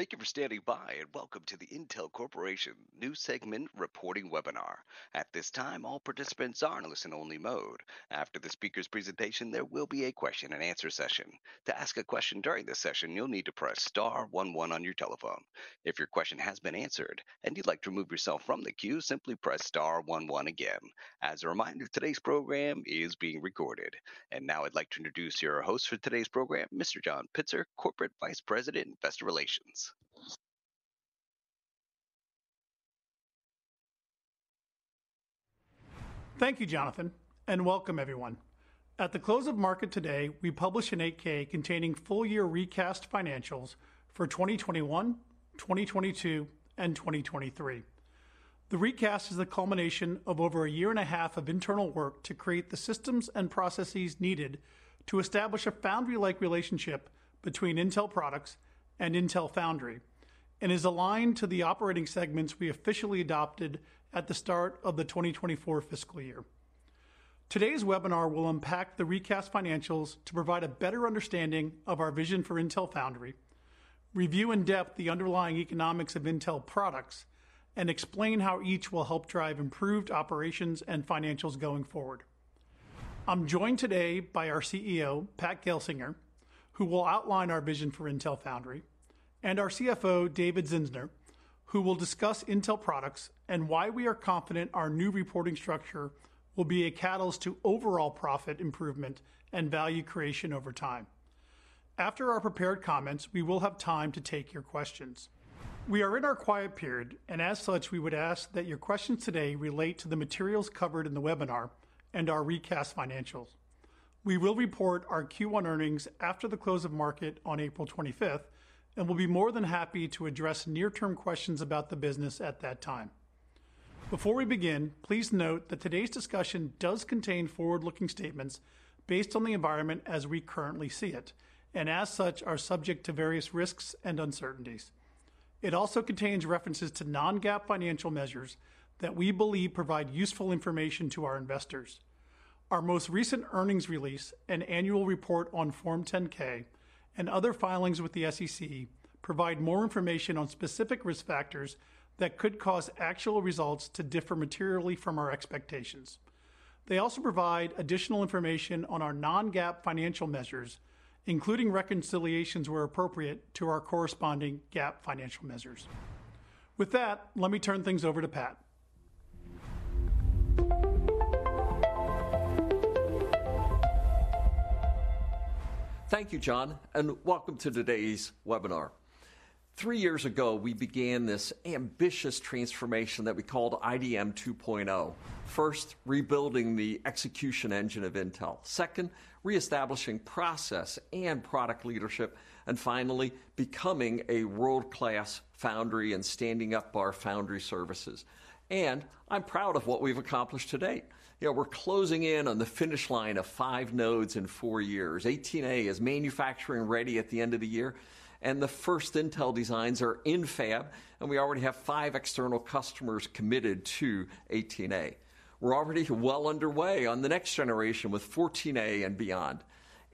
Thank you for standing by, and welcome to the Intel Corporation news segment reporting webinar. At this time, all participants are in listen-only mode. After the speaker's presentation, there will be a question-and-answer session. To ask a question during the session, you'll need to press star one one on your telephone. If your question has been answered and you'd like to remove yourself from the queue, simply press star one one again. As a reminder, today's program is being recorded. And now I'd like to introduce your host for today's program, Mr. John Pitzer, Corporate Vice President, Investor Relations. Thank you, Jonathan, and welcome, everyone. At the close of market today, we published an 8-K containing full-year recast financials for 2021, 2022, and 2023. The recast is the culmination of over a year and a half of internal work to create the systems and processes needed to establish a foundry-like relationship between Intel Products and Intel Foundry, and is aligned to the operating segments we officially adopted at the start of the 2024 fiscal year. Today's webinar will unpack the recast financials to provide a better understanding of our vision for Intel Foundry, review in depth the underlying economics of Intel Products, and explain how each will help drive improved operations and financials going forward. I'm joined today by our CEO, Pat Gelsinger, who will outline our vision for Intel Foundry, and our CFO, David Zinsner, who will discuss Intel Products and why we are confident our new reporting structure will be a catalyst to overall profit improvement and value creation over time. After our prepared comments, we will have time to take your questions. We are in our quiet period, and as such, we would ask that your questions today relate to the materials covered in the webinar and our recast financials. We will report our Q1 earnings after the close of market on April 25, and we'll be more than happy to address near-term questions about the business at that time. Before we begin, please note that today's discussion does contain forward-looking statements based on the environment as we currently see it, and as such, are subject to various risks and uncertainties. It also contains references to non-GAAP financial measures that we believe provide useful information to our investors. Our most recent earnings release, an annual report on Form 10-K, and other filings with the SEC provide more information on specific risk factors that could cause actual results to differ materially from our expectations. They also provide additional information on our non-GAAP financial measures, including reconciliations where appropriate to our corresponding GAAP financial measures. With that, let me turn things over to Pat. Thank you, John, and welcome to today's webinar. Three years ago, we began this ambitious transformation that we called IDM 2.0: first, rebuilding the execution engine of Intel, second, reestablishing process and product leadership, and finally, becoming a world-class foundry and standing up our foundry services. I'm proud of what we've accomplished to date. We're closing in on the finish line of five nodes in four years. 18A is manufacturing ready at the end of the year, and the first Intel designs are in fab, and we already have five external customers committed to 18A. We're already well underway on the next generation with 14A and beyond.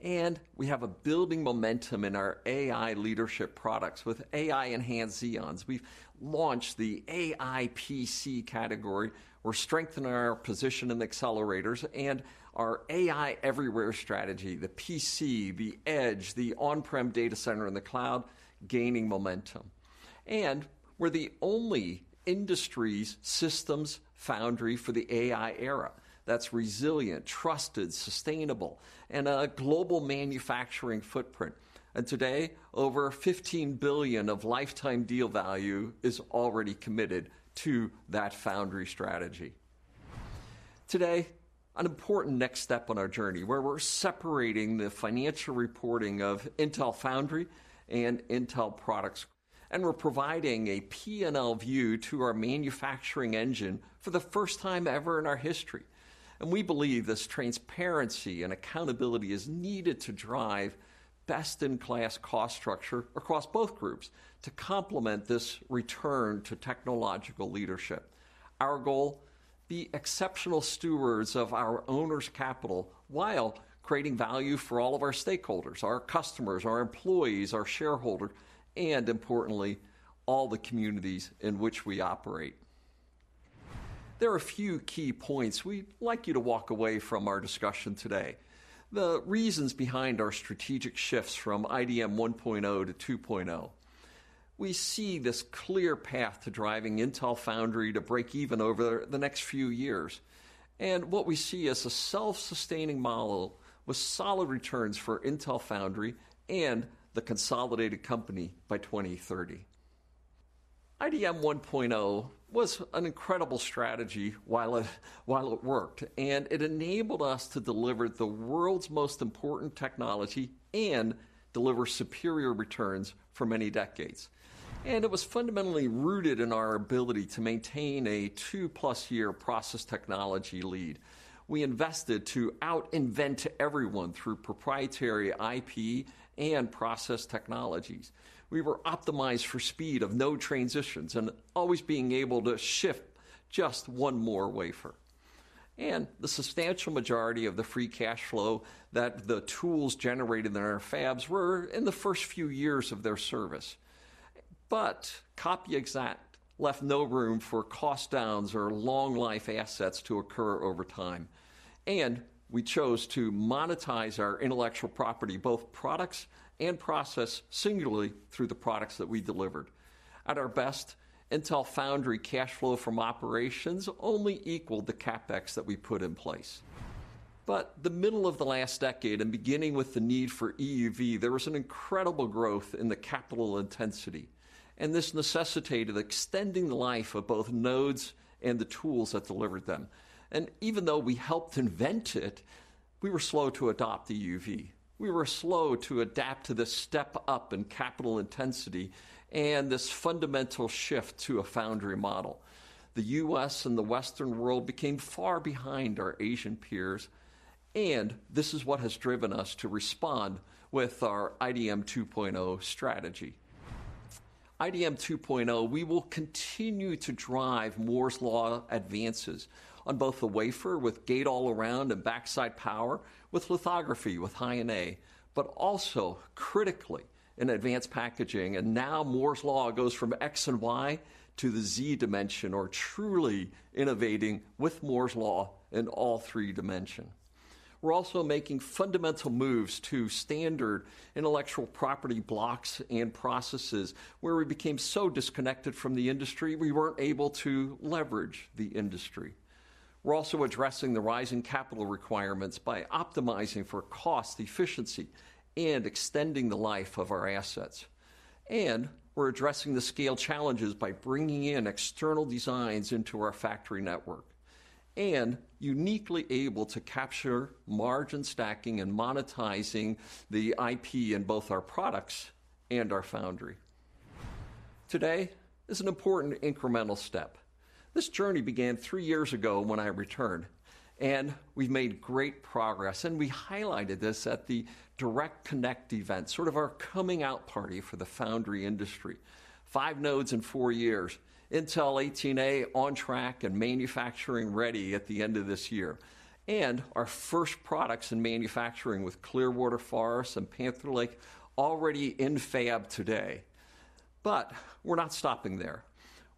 We have a building momentum in our AI leadership products with AI-enhanced Xeons. We've launched the AI PC category. We're strengthening our position in the accelerators and our AI Everywhere strategy: the PC, the edge, the on-prem data center in the cloud, gaining momentum. We're the only industry's Systems Foundry for the AI era that's resilient, trusted, sustainable, and a global manufacturing footprint. Today, over $15 billion of lifetime deal value is already committed to that foundry strategy. Today, an important next step on our journey where we're separating the financial reporting of Intel Foundry and Intel Products, and we're providing a P&L view to our manufacturing engine for the first time ever in our history. We believe this transparency and accountability is needed to drive best-in-class cost structure across both groups to complement this return to technological leadership. Our goal: be exceptional stewards of our owners' capital while creating value for all of our stakeholders, our customers, our employees, our shareholders, and importantly, all the communities in which we operate. There are a few key points we'd like you to walk away from our discussion today: the reasons behind our strategic shifts from IDM 1.0 to 2.0. We see this clear path to driving Intel Foundry to breakeven over the next few years, and what we see as a self-sustaining model with solid returns for Intel Foundry and the consolidated company by 2030. IDM 1.0 was an incredible strategy while it worked, and it enabled us to deliver the world's most important technology and deliver superior returns for many decades. It was fundamentally rooted in our ability to maintain a two-plus-year process technology lead. We invested to out-invent everyone through proprietary IP and process technologies. We were optimized for speed of no transitions and always being able to shift just one more wafer. The substantial majority of the free cash flow that the tools generated in our fabs were in the first few years of their service. Copy Exact left no room for cost downs or long-life assets to occur over time, and we chose to monetize our intellectual property, both products and process, singularly through the products that we delivered. At our best, Intel Foundry cash flow from operations only equaled the CapEx that we put in place. The middle of the last decade, and beginning with the need for EUV, there was an incredible growth in the capital intensity, and this necessitated extending the life of both nodes and the tools that delivered them. Even though we helped invent it, we were slow to adopt EUV. We were slow to adapt to this step up in capital intensity and this fundamental shift to a foundry model. The U.S. and the Western world became far behind our Asian peers, and this is what has driven us to respond with our IDM 2.0 strategy. IDM 2.0, we will continue to drive Moore's Law advances on both the wafer with Gate-All-Around and backside power, with lithography, with High-NA, but also, critically, in advanced packaging. And now Moore's Law goes from X and Y to the Z dimension, or truly innovating with Moore's Law in all three dimensions. We're also making fundamental moves to standard intellectual property blocks and processes where we became so disconnected from the industry we weren't able to leverage the industry. We're also addressing the rising capital requirements by optimizing for cost efficiency and extending the life of our assets. We're addressing the scale challenges by bringing in external designs into our factory network and uniquely able to capture margin stacking and monetizing the IP in both our products and our foundry. Today is an important incremental step. This journey began 3 years ago when I returned, and we've made great progress, and we highlighted this at the Direct Connect event, sort of our coming out party for the foundry industry: five nodes in four years, Intel 18A on track and manufacturing ready at the end of this year, and our first products in manufacturing with Clearwater Forest and Panther Lake already in fab today. We're not stopping there.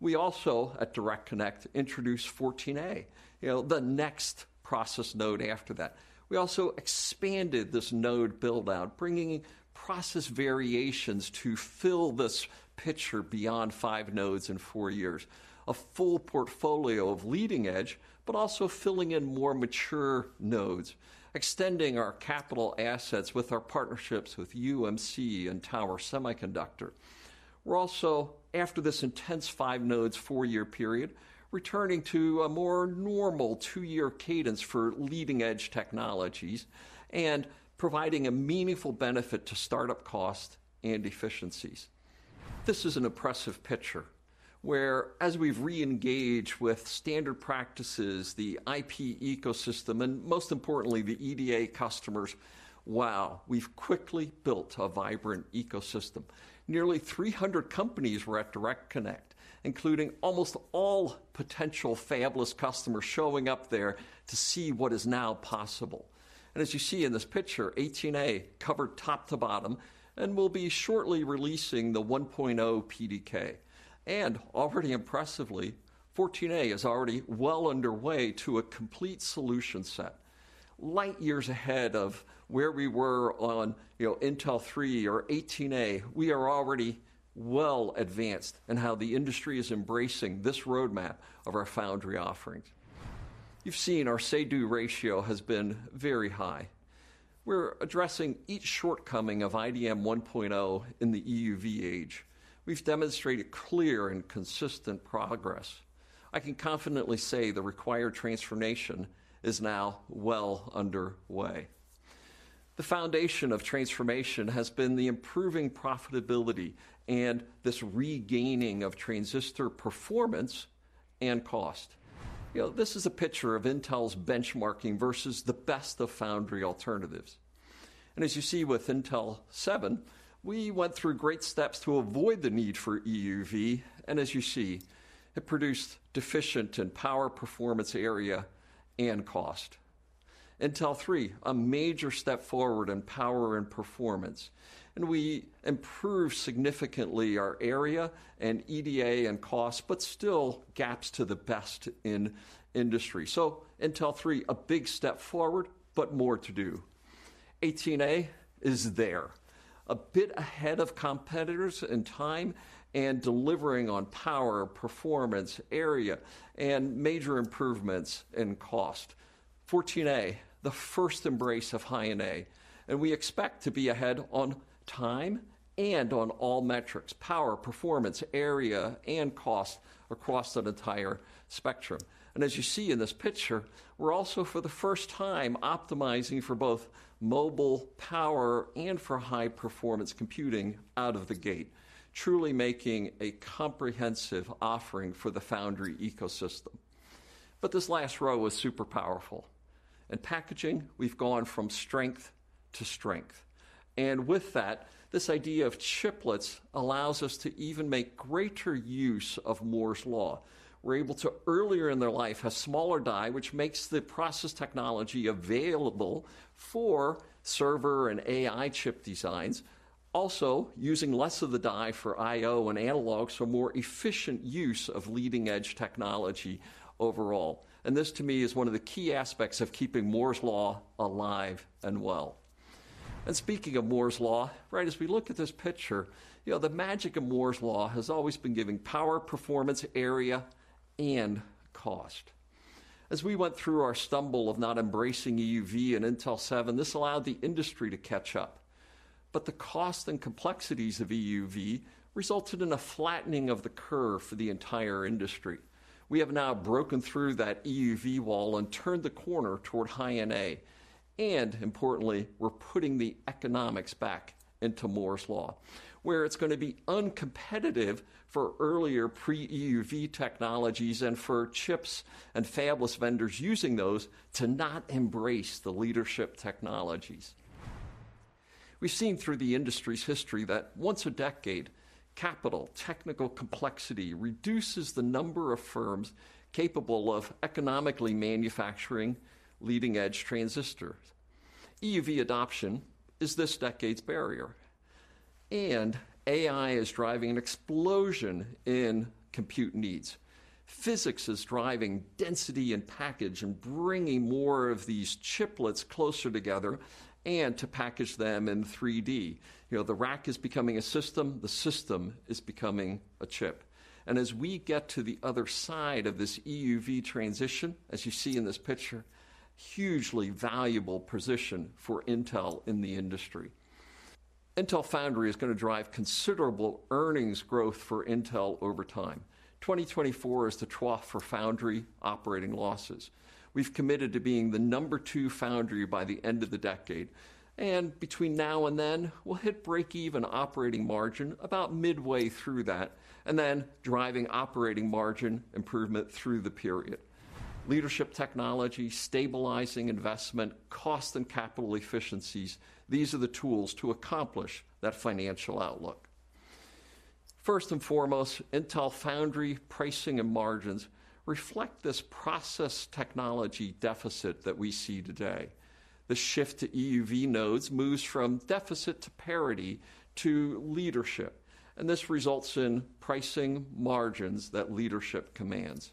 We also, at Direct Connect, introduced 14A, the next process node after that. We also expanded this node buildout, bringing process variations to fill this picture beyond five nodes in four years: a full portfolio of leading edge, but also filling in more mature nodes, extending our capital assets with our partnerships with UMC and Tower Semiconductor. We're also, after this intense 5-nodes, 4-year period, returning to a more normal two-year cadence for leading edge technologies and providing a meaningful benefit to startup cost and efficiencies. This is an impressive picture where, as we've re-engaged with standard practices, the IP ecosystem, and most importantly, the EDA customers, wow, we've quickly built a vibrant ecosystem. Nearly 300 companies were at Direct Connect, including almost all potential fabless customers showing up there to see what is now possible. And as you see in this picture, 18A covered top to bottom and will be shortly releasing the 1.0 PDK. Already, impressively, 14A is already well underway to a complete solution set. Light years ahead of where we were on Intel 3 or 18A, we are already well advanced in how the industry is embracing this roadmap of our foundry offerings. You've seen our say-do ratio has been very high. We're addressing each shortcoming of IDM 1.0 in the EUV age. We've demonstrated clear and consistent progress. I can confidently say the required transformation is now well underway. The foundation of transformation has been the improving profitability and this regaining of transistor performance and cost. This is a picture of Intel's benchmarking versus the best of foundry alternatives. And as you see with Intel 7, we went through great steps to avoid the need for EUV, and as you see, it produced deficient in power, performance area, and cost. Intel 3, a major step forward in power and performance, and we improved significantly our area and EDA and cost, but still gaps to the best in industry. Intel 3, a big step forward, but more to do. 18A is there, a bit ahead of competitors in time and delivering on power, performance, area, and major improvements in cost. 14A, the first embrace of High-NA, and we expect to be ahead on time and on all metrics: power, performance, area, and cost across that entire spectrum. As you see in this picture, we're also, for the first time, optimizing for both mobile power and for high-performance computing out of the gate, truly making a comprehensive offering for the foundry ecosystem. This last row is super powerful. In packaging, we've gone from strength to strength. And with that, this idea of chiplets allows us to even make greater use of Moore's Law. We're able to, earlier in their life, have smaller die, which makes the process technology available for server and AI chip designs, also using less of the die for I/O and analogs for more efficient use of leading edge technology overall. And this, to me, is one of the key aspects of keeping Moore's Law alive and well. And speaking of Moore's Law, as we look at this picture, the magic of Moore's Law has always been giving power, performance, area, and cost. As we went through our stumble of not embracing EUV in Intel 7, this allowed the industry to catch up. But the cost and complexities of EUV resulted in a flattening of the curve for the entire industry. We have now broken through that EUV wall and turned the corner toward High-NA. And importantly, we're putting the economics back into Moore's Law, where it's going to be uncompetitive for earlier pre-EUV technologies and for chips and fabless vendors using those to not embrace the leadership technologies. We've seen through the industry's history that once a decade, capital, technical complexity reduces the number of firms capable of economically manufacturing leading edge transistors. EUV adoption is this decade's barrier. And AI is driving an explosion in compute needs. Physics is driving density and package and bringing more of these chiplets closer together and to package them in 3D. The rack is becoming a system. The system is becoming a chip. And as we get to the other side of this EUV transition, as you see in this picture, hugely valuable position for Intel in the industry. Intel Foundry is going to drive considerable earnings growth for Intel over time. 2024 is the trough for foundry operating losses. We've committed to being the number two foundry by the end of the decade, and between now and then, we'll hit breakeven operating margin about midway through that and then driving operating margin improvement through the period. Leadership technology, stabilizing investment, cost and capital efficiencies, these are the tools to accomplish that financial outlook. First and foremost, Intel Foundry pricing and margins reflect this process technology deficit that we see today. The shift to EUV nodes moves from deficit to parity to leadership, and this results in pricing margins that leadership commands.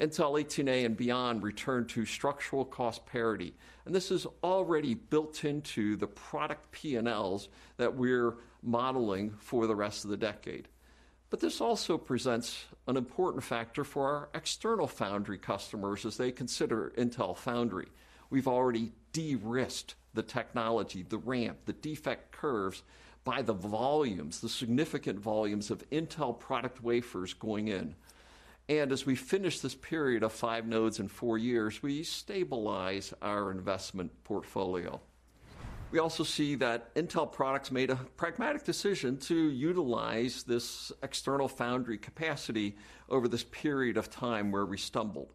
Intel 18A and beyond return to structural cost parity, and this is already built into the product P&Ls that we're modeling for the rest of the decade. But this also presents an important factor for our external foundry customers as they consider Intel Foundry. We've already de-risked the technology, the ramp, the defect curves by the volumes, the significant volumes of Intel product wafers going in. And as we finish this period of five nodes in four years, we stabilize our investment portfolio. We also see that Intel Products made a pragmatic decision to utilize this external foundry capacity over this period of time where we stumbled.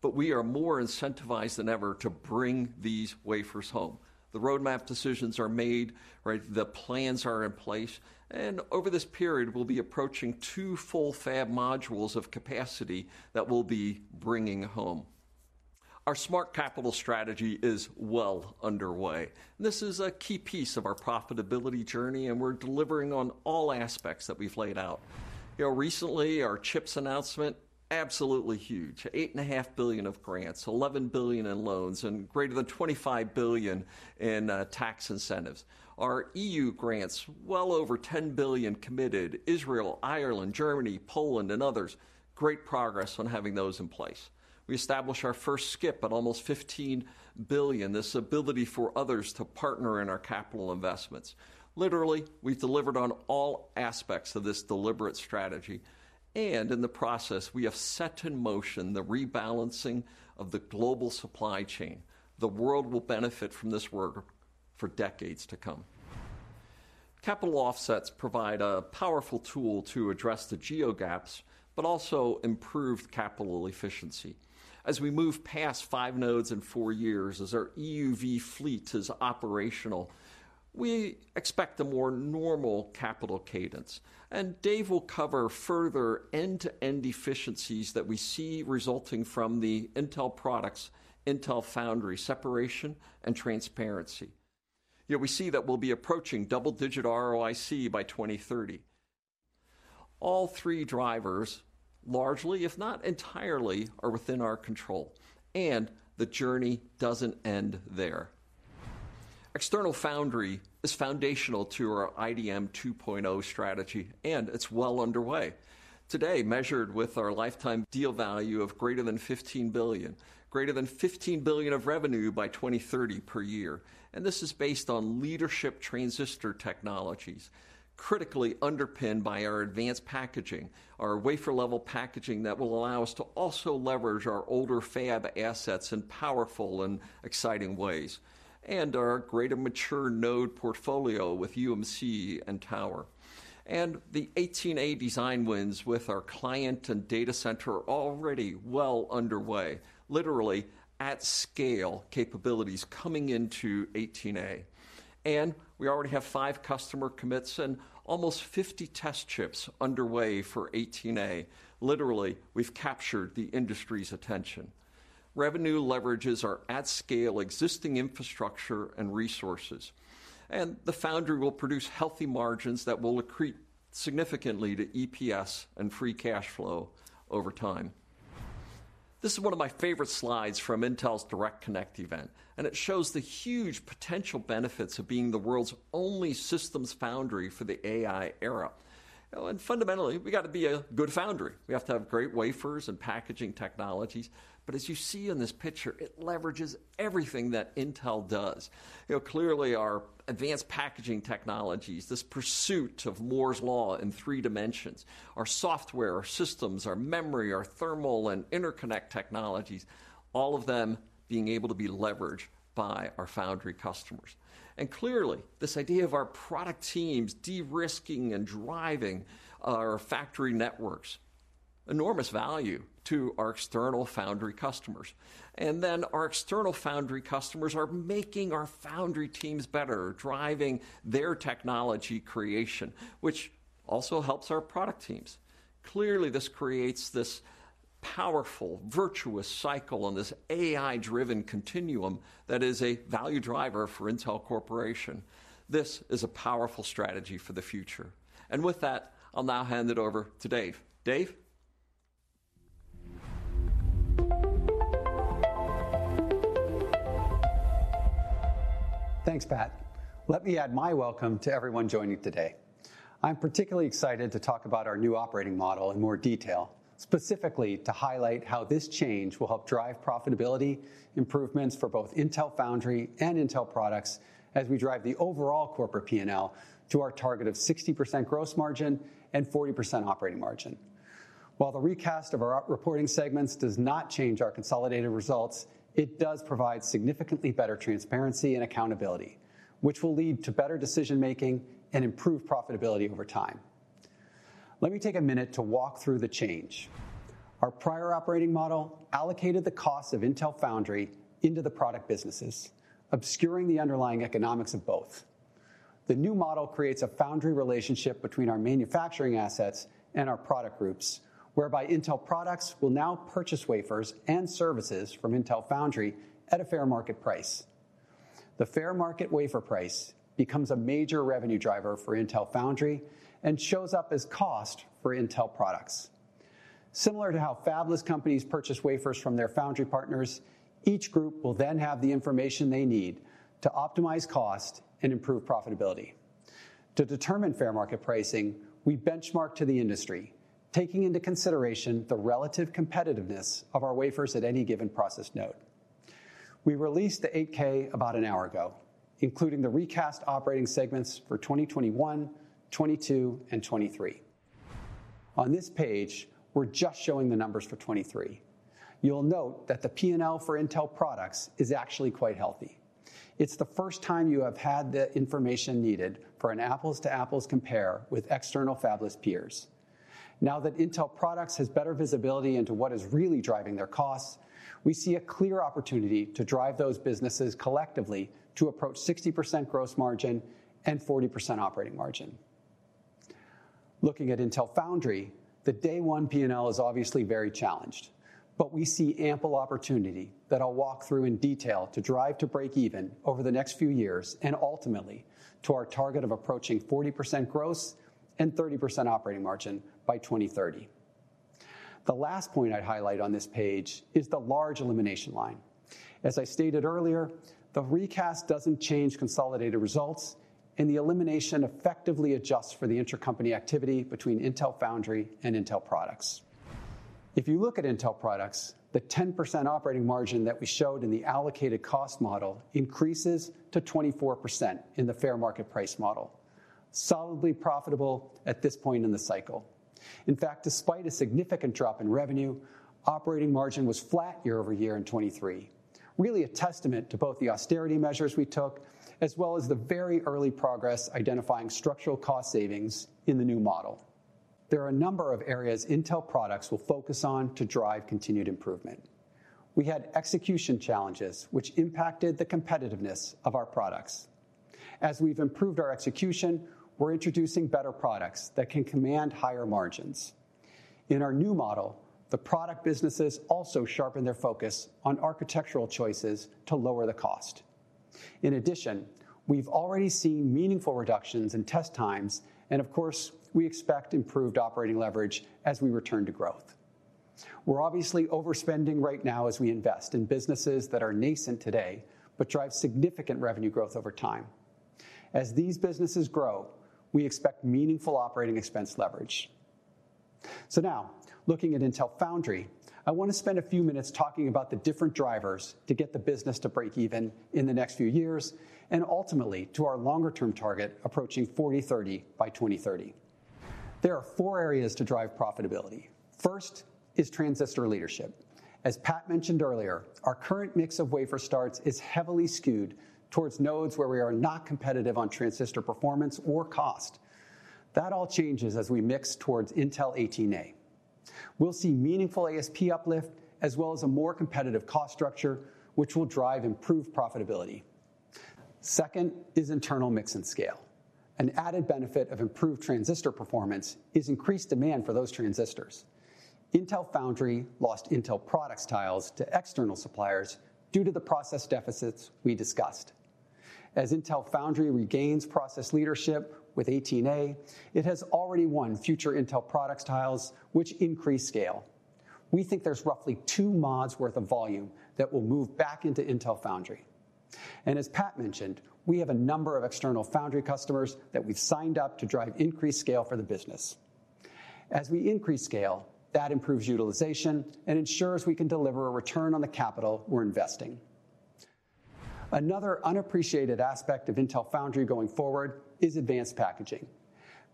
But we are more incentivized than ever to bring these wafers home. The roadmap decisions are made, the plans are in place, and over this period, we'll be approaching two full fab modules of capacity that we'll be bringing home. Our Smart Capital strategy is well underway, and this is a key piece of our profitability journey, and we're delivering on all aspects that we've laid out. Recently, our CHIPS announcement, absolutely huge: $8.5 billion of grants, $11 billion in loans, and greater than $25 billion in tax incentives. Our EU grants, well over $10 billion committed: Israel, Ireland, Germany, Poland, and others. Great progress on having those in place. We established our first SCIP at almost $15 billion, this ability for others to partner in our capital investments. Literally, we've delivered on all aspects of this deliberate strategy, and in the process, we have set in motion the rebalancing of the global supply chain. The world will benefit from this work for decades to come. Capital offsets provide a powerful tool to address the geo gaps but also improved capital efficiency. As we move past five nodes in four years, as our EUV fleet is operational, we expect a more normal capital cadence. Dave will cover further end-to-end efficiencies that we see resulting from the Intel Products, Intel Foundry separation, and transparency. We see that we'll be approaching double-digit ROIC by 2030. All three drivers, largely, if not entirely, are within our control, and the journey doesn't end there. External foundry is foundational to our IDM 2.0 strategy, and it's well underway. Today, measured with our lifetime deal value of greater than $15 billion, greater than $15 billion of revenue by 2030 per year, and this is based on leadership transistor technologies, critically underpinned by our advanced packaging, our wafer-level packaging that will allow us to also leverage our older fab assets in powerful and exciting ways, and our greater mature node portfolio with UMC and Tower. The 18A design wins with our client and data center are already well underway, literally at-scale capabilities coming into 18A. We already have five customer commits and almost 50 test chips underway for 18A. Literally, we've captured the industry's attention. Revenue leverages are at-scale existing infrastructure and resources, and the foundry will produce healthy margins that will accrete significantly to EPS and free cash flow over time. This is one of my favorite slides from Intel's Direct Connect event, and it shows the huge potential benefits of being the world's only Systems Foundry for the AI era. And fundamentally, we got to be a good foundry. We have to have great wafers and packaging technologies, but as you see in this picture, it leverages everything that Intel does. Clearly, our advanced packaging technologies, this pursuit of Moore's Law in three dimensions, our software, our systems, our memory, our thermal and interconnect technologies, all of them being able to be leveraged by our foundry customers. And clearly, this idea of our product teams de-risking and driving our factory networks, enormous value to our external foundry customers. And then our external foundry customers are making our foundry teams better, driving their technology creation, which also helps our product teams. Clearly, this creates this powerful, virtuous cycle and this AI-driven continuum that is a value driver for Intel Corporation. This is a powerful strategy for the future. And with that, I'll now hand it over to Dave. Dave? Thanks, Pat. Let me add my welcome to everyone joining today. I'm particularly excited to talk about our new operating model in more detail, specifically to highlight how this change will help drive profitability improvements for both Intel Foundry and Intel Products as we drive the overall corporate P&L to our target of 60% gross margin and 40% operating margin. While the recast of our reporting segments does not change our consolidated results, it does provide significantly better transparency and accountability, which will lead to better decision-making and improved profitability over time. Let me take a minute to walk through the change. Our prior operating model allocated the cost of Intel Foundry into the product businesses, obscuring the underlying economics of both. The new model creates a foundry relationship between our manufacturing assets and our product groups, whereby Intel Products will now purchase wafers and services from Intel Foundry at a fair market price. The fair market wafer price becomes a major revenue driver for Intel Foundry and shows up as cost for Intel Products. Similar to how fabless companies purchase wafers from their foundry partners, each group will then have the information they need to optimize cost and improve profitability. To determine fair market pricing, we benchmarked to the industry, taking into consideration the relative competitiveness of our wafers at any given process node. We released the 8-K about an hour ago, including the recast operating segments for 2021, 2022, and 2023. On this page, we're just showing the numbers for 2023. You'll note that the P&L for Intel Products is actually quite healthy. It's the first time you have had the information needed for an apples-to-apples compare with external fabless peers. Now that Intel Products have better visibility into what is really driving their costs, we see a clear opportunity to drive those businesses collectively to approach 60% gross margin and 40% operating margin. Looking at Intel Foundry, the day-one P&L is obviously very challenged, but we see ample opportunity that I'll walk through in detail to drive to breakeven over the next few years and ultimately to our target of approaching 40% gross and 30% operating margin by 2030. The last point I'd highlight on this page is the large elimination line. As I stated earlier, the recast doesn't change consolidated results, and the elimination effectively adjusts for the intercompany activity between Intel Foundry and Intel Products. If you look at Intel Products, the 10% operating margin that we showed in the allocated cost model increases to 24% in the fair market price model, solidly profitable at this point in the cycle. In fact, despite a significant drop in revenue, operating margin was flat year-over-year in 2023, really a testament to both the austerity measures we took as well as the very early progress identifying structural cost savings in the new model. There are a number of areas Intel Products will focus on to drive continued improvement. We had execution challenges, which impacted the competitiveness of our products. As we've improved our execution, we're introducing better products that can command higher margins. In our new model, the product businesses also sharpen their focus on architectural choices to lower the cost. In addition, we've already seen meaningful reductions in test times, and of course, we expect improved operating leverage as we return to growth. We're obviously overspending right now as we invest in businesses that are nascent today but drive significant revenue growth over time. As these businesses grow, we expect meaningful operating expense leverage. So now, looking at Intel Foundry, I want to spend a few minutes talking about the different drivers to get the business to breakeven in the next few years and ultimately to our longer-term target approaching 40-30 by 2030. There are four areas to drive profitability. First is transistor leadership. As Pat mentioned earlier, our current mix of wafer starts is heavily skewed towards nodes where we are not competitive on transistor performance or cost. That all changes as we mix towards Intel 18A. We'll see meaningful ASP uplift as well as a more competitive cost structure, which will drive improved profitability. Second is internal mix and scale. An added benefit of improved transistor performance is increased demand for those transistors. Intel Foundry lost Intel product sales to external suppliers due to the process deficits we discussed. As Intel Foundry regains process leadership with 18A, it has already won future Intel product sales, which increase scale. We think there's roughly two months' worth of volume that will move back into Intel Foundry. And as Pat mentioned, we have a number of external foundry customers that we've signed up to drive increased scale for the business. As we increase scale, that improves utilization and ensures we can deliver a return on the capital we're investing. Another unappreciated aspect of Intel Foundry going forward is advanced packaging.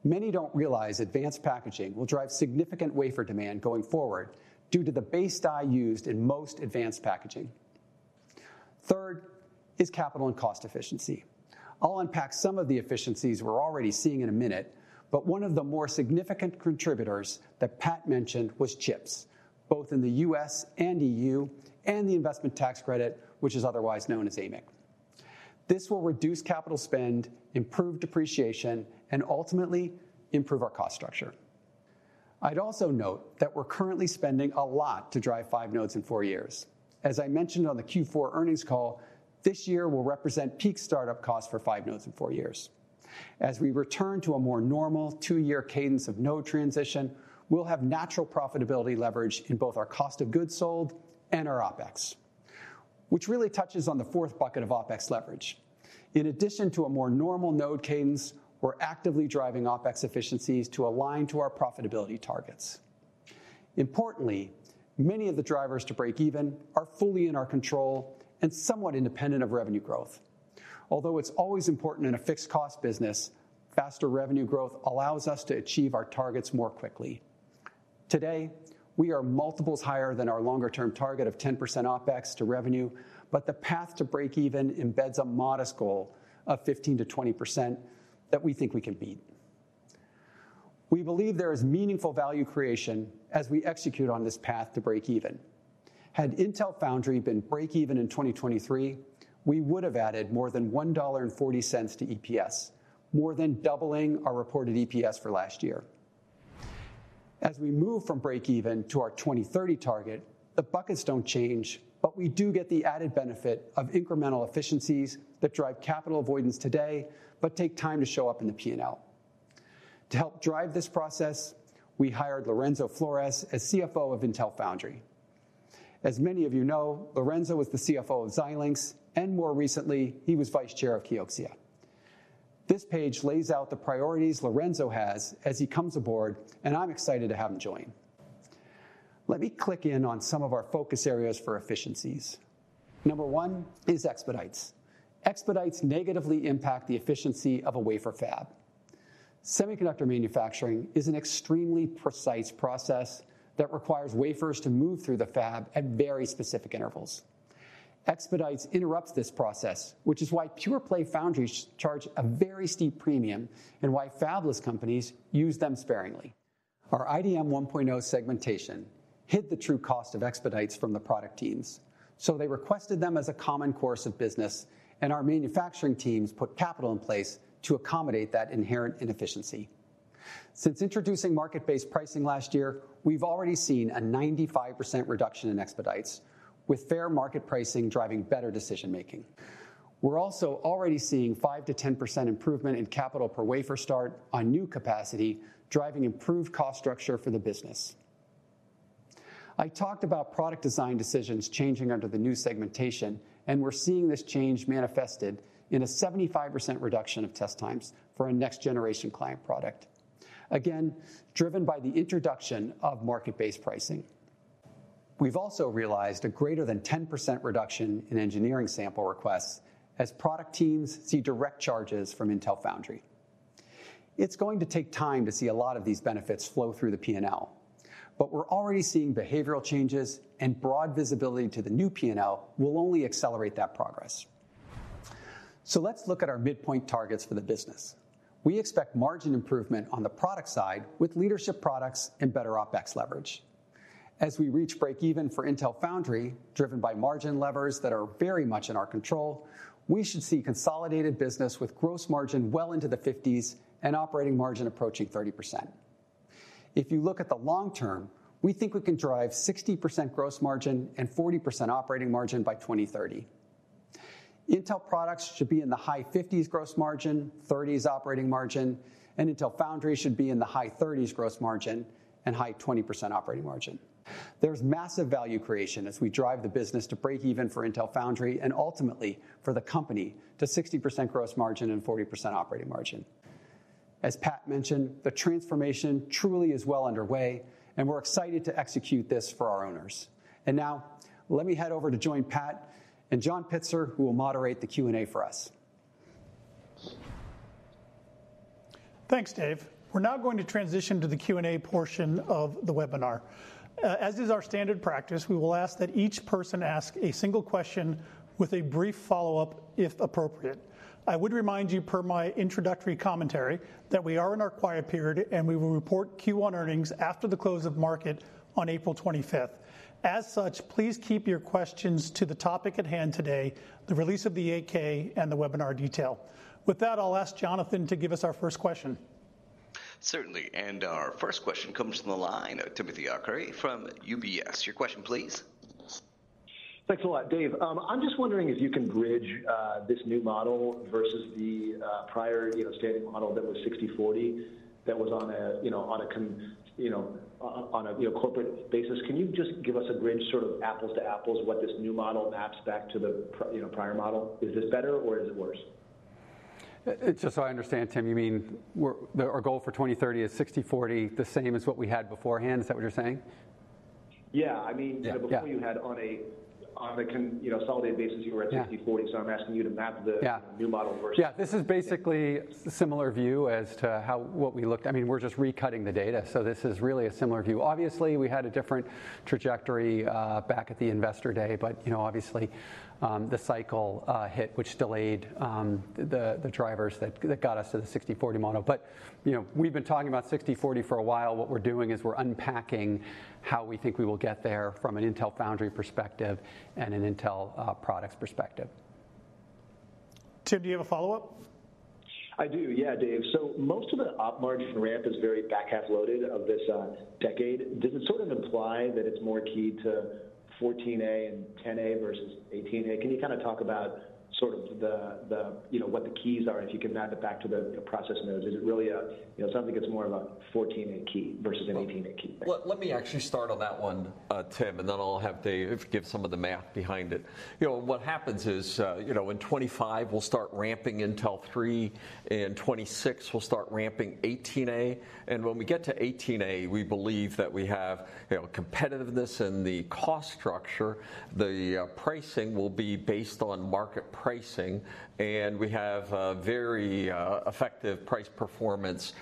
Many don't realize advanced packaging will drive significant wafer demand going forward due to the base die used in most advanced packaging. Third is capital and cost efficiency. I'll unpack some of the efficiencies we're already seeing in a minute, but one of the more significant contributors that Pat mentioned was CHIPS, both in the US and EU and the investment tax credit, which is otherwise known as AMIC. This will reduce capital spend, improve depreciation, and ultimately improve our cost structure. I'd also note that we're currently spending a lot to drive five nodes in four years. As I mentioned on the Q4 earnings call, this year will represent peak startup costs for five nodes in four years. As we return to a more normal two-year cadence of node transition, we'll have natural profitability leverage in both our cost of goods sold and our OpEx, which really touches on the fourth bucket of OpEx leverage. In addition to a more normal node cadence, we're actively driving OpEx efficiencies to align to our profitability targets. Importantly, many of the drivers to breakeven are fully in our control and somewhat independent of revenue growth. Although it's always important in a fixed-cost business, faster revenue growth allows us to achieve our targets more quickly. Today, we are multiples higher than our longer-term target of 10% OpEx to revenue, but the path to breakeven embeds a modest goal of 15%-20% that we think we can beat. We believe there is meaningful value creation as we execute on this path to breakeven. Had Intel Foundry been breakeven in 2023, we would have added more than $1.40 to EPS, more than doubling our reported EPS for last year. As we move from breakeven to our 2030 target, the buckets don't change, but we do get the added benefit of incremental efficiencies that drive capital avoidance today but take time to show up in the P&L. To help drive this process, we hired Lorenzo Flores as CFO of Intel Foundry. As many of you know, Lorenzo was the CFO of Xilinx, and more recently, he was Vice Chair of Kioxia. This page lays out the priorities Lorenzo has as he comes aboard, and I'm excited to have him join. Let me click in on some of our focus areas for efficiencies. Number one is expedites. Expedites negatively impact the efficiency of a wafer fab. Semiconductor manufacturing is an extremely precise process that requires wafers to move through the fab at very specific intervals. Expedites interrupts this process, which is why pure-play foundries charge a very steep premium and why fabless companies use them sparingly. Our IDM 1.0 segmentation hid the true cost of expedites from the product teams, so they requested them as a common course of business, and our manufacturing teams put capital in place to accommodate that inherent inefficiency. Since introducing market-based pricing last year, we've already seen a 95% reduction in expedites, with fair market pricing driving better decision-making. We're also already seeing 5%-10% improvement in capital per wafer start on new capacity, driving improved cost structure for the business. I talked about product design decisions changing under the new segmentation, and we're seeing this change manifested in a 75% reduction of test times for a next-generation client product, again, driven by the introduction of market-based pricing. We've also realized a greater than 10% reduction in engineering sample requests as product teams see direct charges from Intel Foundry. It's going to take time to see a lot of these benefits flow through the P&L, but we're already seeing behavioral changes, and broad visibility to the new P&L will only accelerate that progress. So let's look at our midpoint targets for the business. We expect margin improvement on the product side with leadership products and better OPEX leverage. As we reach breakeven for Intel Foundry, driven by margin levers that are very much in our control, we should see consolidated business with gross margin well into the 50s and operating margin approaching 30%. If you look at the long term, we think we can drive 60% gross margin and 40% operating margin by 2030. Intel Products should be in the high 50s gross margin, 30s operating margin, and Intel Foundry should be in the high 30s gross margin and high 20% operating margin. There's massive value creation as we drive the business to breakeven for Intel Foundry and ultimately for the company to 60% gross margin and 40% operating margin. As Pat mentioned, the transformation truly is well underway, and we're excited to execute this for our owners. And now, let me head over to join Pat and John Pitzer, who will moderate the Q&A for us. Thanks, Dave. We're now going to transition to the Q&A portion of the webinar. As is our standard practice, we will ask that each person ask a single question with a brief follow-up if appropriate. I would remind you, per my introductory commentary, that we are in our quiet period, and we will report Q1 earnings after the close of market on April 25. As such, please keep your questions to the topic at hand today, the release of the 8-K, and the webinar detail. With that, I'll ask Jonathan to give us our first question. Certainly. And our first question comes from the line of Timothy Arcuri from UBS. Your question, please. Thanks a lot, Dave. I'm just wondering if you can bridge this new model versus the prior standing model that was 60/40 that was on a corporate basis. Can you just give us a bridge sort of apples to apples what this new model maps back to the prior model? Is this better, or is it worse? Just so I understand, Tim, you mean our goal for 2030 is 60/40, the same as what we had beforehand. Is that what you're saying? Yeah. I mean, before you had, on a consolidated basis, you were at 60/40, so I'm asking you to map the new model versus. Yeah. This is basically a similar view as to what we looked at. I mean, we're just recutting the data, so this is really a similar view. Obviously, we had a different trajectory back at the investor day, but obviously, the cycle hit, which delayed the drivers that got us to the 60/40 model. But we've been talking about 60/40 for a while. What we're doing is we're unpacking how we think we will get there from an Intel Foundry perspective and an Intel Products perspective. Tim, do you have a follow-up? I do. Yeah, Dave. So most of the op margin ramp is very back-half loaded of this decade. Does it sort of imply that it's more key to 14A and 10A versus 18A? Can you kind of talk about sort of what the keys are if you can map it back to the process nodes? Is it really something that gets more of a 14A key versus an 18A key? Well, let me actually start on that one, Tim, and then I'll have Dave give some of the math behind it. What happens is in 2025, we'll start ramping Intel 3, and 2026, we'll start ramping 18A. And when we get to 18A, we believe that we have competitiveness in the cost structure. The pricing will be based on market pricing, and we have very effective price-performance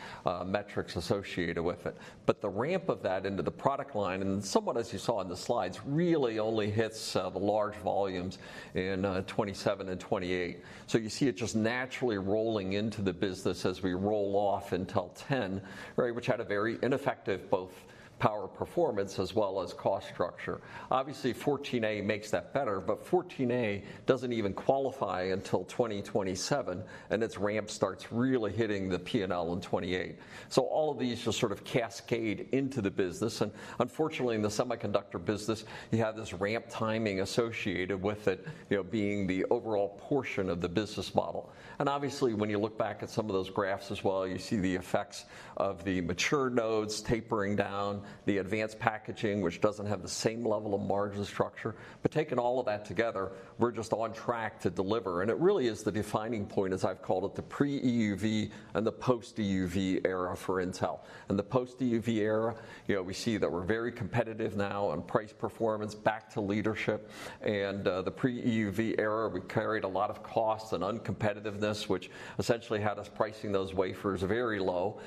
metrics associated with it. But the ramp of that into the product line, and somewhat, as you saw in the slides, really only hits the large volumes in 2027 and 2028. So you see it just naturally rolling into the business as we roll off Intel 10, which had a very ineffective both power performance as well as cost structure. Obviously, 14A makes that better, but 14A doesn't even qualify until 2027, and its ramp starts really hitting the P&L in 2028. So all of these just sort of cascade into the business. And unfortunately, in the semiconductor business, you have this ramp timing associated with it being the overall portion of the business model. And obviously, when you look back at some of those graphs as well, you see the effects of the mature nodes tapering down, the advanced packaging, which doesn't have the same level of margin structure. But taking all of that together, we're just on track to deliver. And it really is the defining point, as I've called it, the pre-EUV and the post-EUV era for Intel. In the post-EUV era, we see that we're very competitive now on price-performance, back to leadership. And the pre-EUV era, we carried a lot of costs and uncompetitiveness, which essentially had us pricing those wafers very low.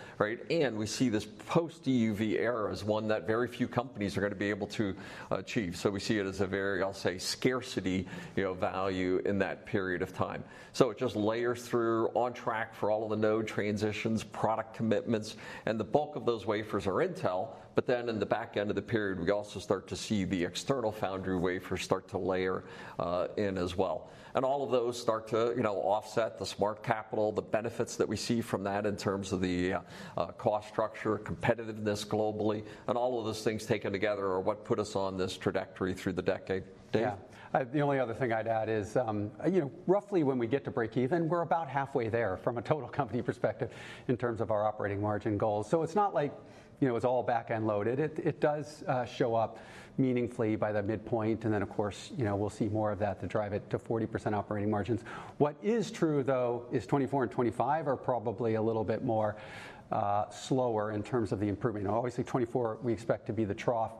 We see this post-EUV era as one that very few companies are going to be able to achieve. We see it as a very, I'll say, scarcity value in that period of time. It just layers through, on track for all of the node transitions, product commitments. The bulk of those wafers are Intel. Then in the back end of the period, we also start to see the external foundry wafers start to layer in as well. All of those start to offset the Smart Capital, the benefits that we see from that in terms of the cost structure, competitiveness globally. All of those things taken together are what put us on this trajectory through the decade, Dave. Yeah. The only other thing I'd add is roughly when we get to breakeven, we're about halfway there from a total company perspective in terms of our operating margin goals. So it's not like it's all back end loaded. It does show up meaningfully by the midpoint. And then, of course, we'll see more of that to drive it to 40% operating margins. What is true, though, is 2024 and 2025 are probably a little bit more slower in terms of the improvement. Obviously, 2024, we expect to be the trough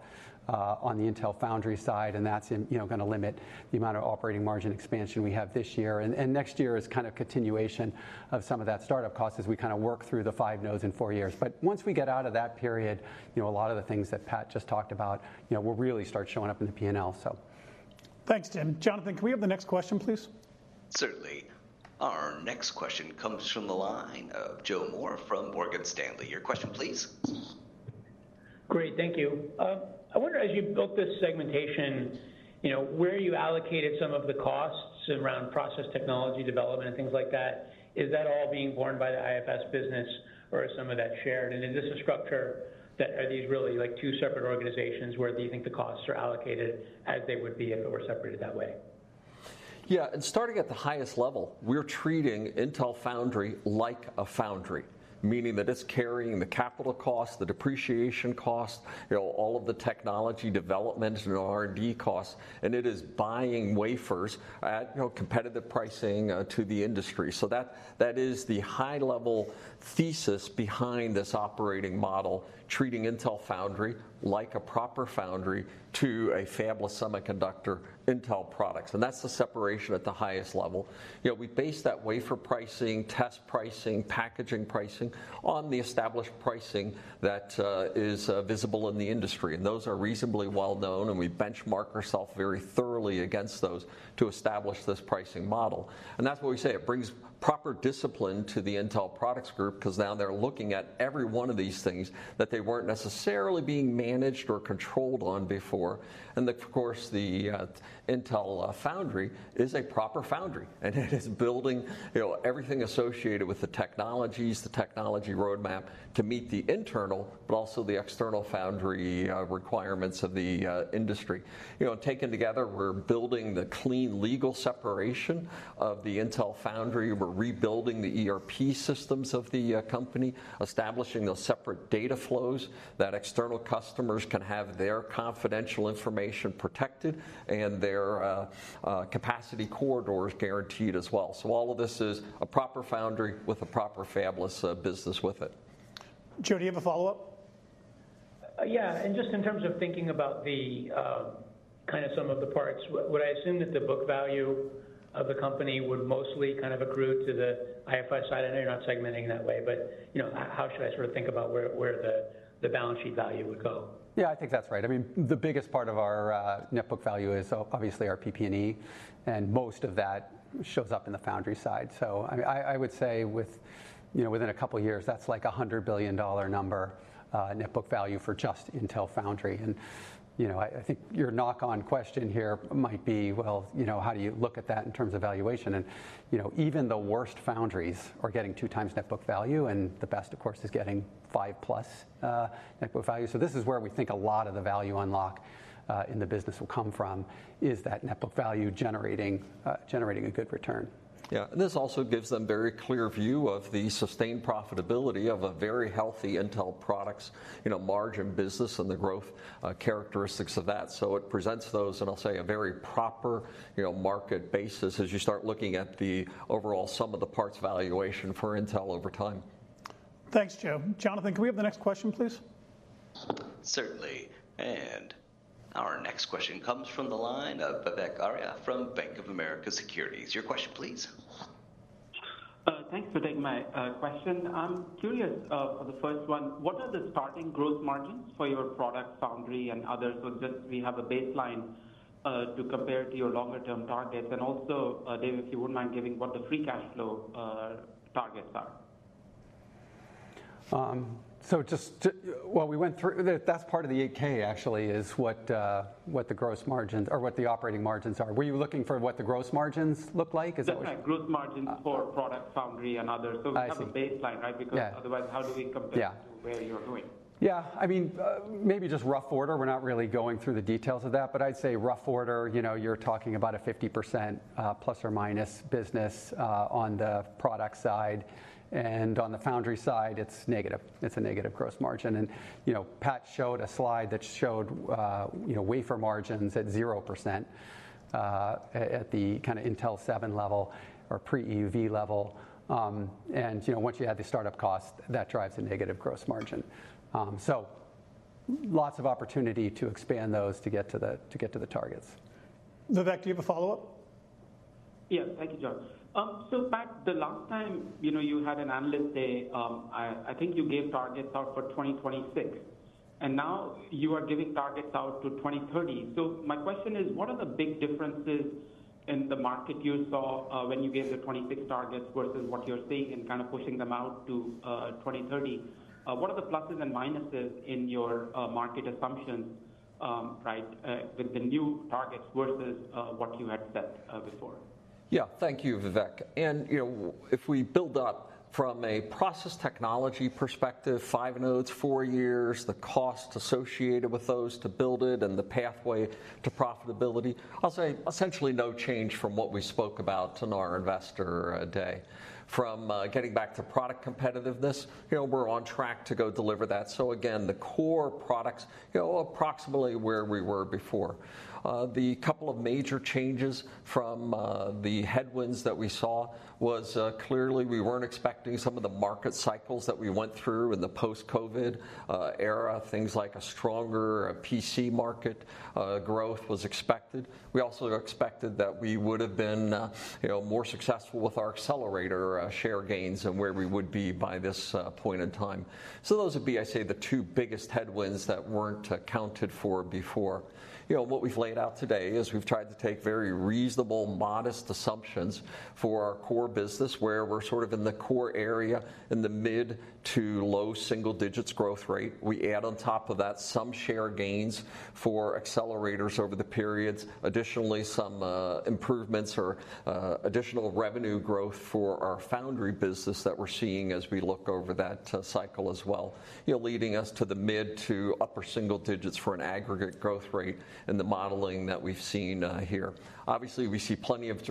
on the Intel Foundry side, and that's going to limit the amount of operating margin expansion we have this year. And next year is kind of continuation of some of that startup cost as we kind of work through the five nodes in four years. But once we get out of that period, a lot of the things that Pat just talked about will really start showing up in the P&L, so. Thanks, Tim. Jonathan, can we have the next question, please? Certainly. Our next question comes from the line of Joe Moore from Morgan Stanley. Your question, please. Great. Thank you. I wonder, as you built this segmentation, where are you allocating some of the costs around process technology development and things like that? Is that all being borne by the IFS business, or is some of that shared? And is this a structure? Are these really two separate organizations? Where do you think the costs are allocated as they would be if it were separated that way? Yeah. And starting at the highest level, we're treating Intel Foundry like a foundry, meaning that it's carrying the capital cost, the depreciation cost, all of the technology development and R&D costs, and it is buying wafers at competitive pricing to the industry. So that is the high-level thesis behind this operating model, treating Intel Foundry like a proper foundry to a fabless semiconductor Intel Products. And that's the separation at the highest level. We base that wafer pricing, test pricing, packaging pricing on the established pricing that is visible in the industry. And those are reasonably well known, and we benchmark ourselves very thoroughly against those to establish this pricing model. And that's what we say. It brings proper discipline to the Intel Products Group because now they're looking at every one of these things that they weren't necessarily being managed or controlled on before. Of course, the Intel Foundry is a proper foundry, and it is building everything associated with the technologies, the technology roadmap to meet the internal but also the external foundry requirements of the industry. Taken together, we're building the clean legal separation of the Intel Foundry. We're rebuilding the ERP systems of the company, establishing those separate data flows that external customers can have their confidential information protected and their capacity corridors guaranteed as well. All of this is a proper foundry with a proper fabless business with it. Joe, do you have a follow-up? Yeah. Just in terms of thinking about kind of some of the parts, would I assume that the book value of the company would mostly kind of accrue to the IFS side? I know you're not segmenting that way, but how should I sort of think about where the balance sheet value would go? Yeah, I think that's right. I mean, the biggest part of our net book value is obviously our PP&E, and most of that shows up in the foundry side. So I would say within a couple of years, that's like a $100 billion number net book value for just Intel Foundry. And I think your knock-on question here might be, well, how do you look at that in terms of valuation? And even the worst foundries are getting 2x net book value, and the best, of course, is getting 5+ net book value. So this is where we think a lot of the value unlock in the business will come from, is that net book value generating a good return. Yeah. And this also gives them a very clear view of the sustained profitability of a very healthy Intel Products margin business and the growth characteristics of that. So it presents those, and I'll say, a very proper market basis as you start looking at the overall sum of the parts valuation for Intel over time. Thanks, Joe. Jonathan, can we have the next question, please? Certainly. Our next question comes from the line of Vivek Arya from Bank of America Securities. Your question, please. Thanks for taking my question. I'm curious for the first one, what are the starting gross margins for your products, foundry, and others? So just we have a baseline to compare to your longer-term targets. Also, Dave, if you wouldn't mind giving what the free cash flow targets are. So just while we went through that, that's part of the 8-K, actually, is what the gross margins or what the operating margins are. Were you looking for what the gross margins look like? Is that what you mean? Just like gross margins for products, foundry, and others. So we have a baseline, right? Because otherwise, how do we compare to where you're doing? Yeah. I mean, maybe just rough order. We're not really going through the details of that, but I'd say rough order, you're talking about a 50% ± business on the product side. And on the foundry side, it's negative. It's a negative gross margin. And Pat showed a slide that showed wafer margins at 0% at the kind of Intel 7 level or pre-EUV level. And once you add the startup cost, that drives a negative gross margin. So lots of opportunity to expand those to get to the targets. Vivek, do you have a follow-up? Yeah. Thank you, John. So Pat, the last time you had an analyst day, I think you gave targets out for 2026. And now you are giving targets out to 2030. So my question is, what are the big differences in the market you saw when you gave the '26 targets versus what you're seeing and kind of pushing them out to 2030? What are the pluses and minuses in your market assumptions with the new targets versus what you had set before? Yeah. Thank you, Vivek. And if we build up from a process technology perspective, five nodes, four years, the cost associated with those to build it and the pathway to profitability, I'll say essentially no change from what we spoke about on our investor day. From getting back to product competitiveness, we're on track to go deliver that. So again, the core products, approximately where we were before. The couple of major changes from the headwinds that we saw was clearly we weren't expecting some of the market cycles that we went through in the post-COVID era, things like a stronger PC market growth was expected. We also expected that we would have been more successful with our accelerator share gains and where we would be by this point in time. So those would be, I'd say, the two biggest headwinds that weren't counted for before. What we've laid out today is we've tried to take very reasonable, modest assumptions for our core business where we're sort of in the core area in the mid- to low-single-digits growth rate. We add on top of that some share gains for accelerators over the periods. Additionally, some improvements or additional revenue growth for our foundry business that we're seeing as we look over that cycle as well, leading us to the mid- to upper-single-digits for an aggregate growth rate in the modeling that we've seen here. Obviously, we see plenty of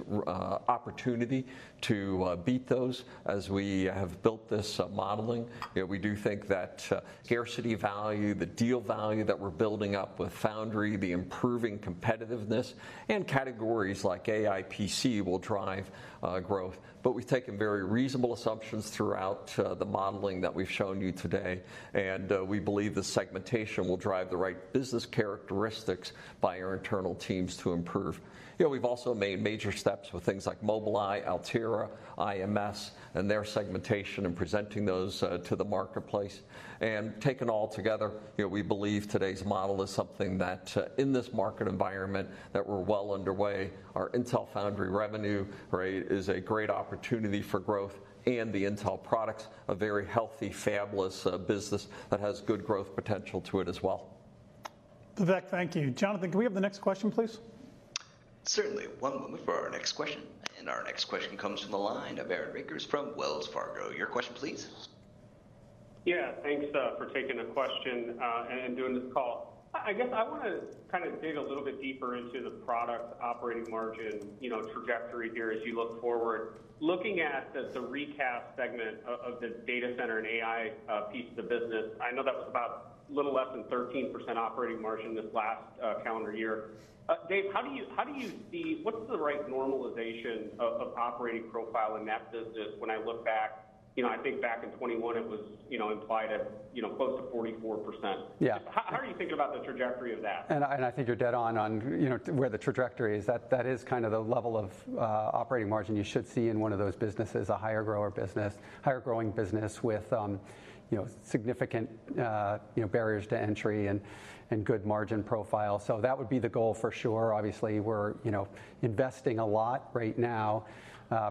opportunity to beat those as we have built this modeling. We do think that scarcity value, the deal value that we're building up with foundry, the improving competitiveness, and categories like AI PC will drive growth. But we've taken very reasonable assumptions throughout the modeling that we've shown you today, and we believe the segmentation will drive the right business characteristics by our internal teams to improve. We've also made major steps with things like Mobileye, Altera, IMS, and their segmentation and presenting those to the marketplace. Taken all together, we believe today's model is something that in this market environment that we're well underway, our Intel Foundry revenue rate is a great opportunity for growth and the Intel Products, a very healthy, fabless business that has good growth potential to it as well. Vivek, thank you. Jonathan, can we have the next question, please? Certainly. One moment for our next question. Our next question comes from the line of Aaron Rakers from Wells Fargo. Your question, please. Yeah. Thanks for taking a question and doing this call. I guess I want to kind of dig a little bit deeper into the product operating margin trajectory here as you look forward. Looking at the recap segment of the Data Center and AI piece of the business, I know that was about a little less than 13% operating margin this last calendar year. Dave, how do you see what's the right normalization of operating profile in that business when I look back? I think back in 2021, it was implied at close to 44%. How are you thinking about the trajectory of that? And I think you're dead on on where the trajectory is. That is kind of the level of operating margin you should see in one of those businesses, a higher growing business with significant barriers to entry and good margin profile. So that would be the goal for sure. Obviously, we're investing a lot right now,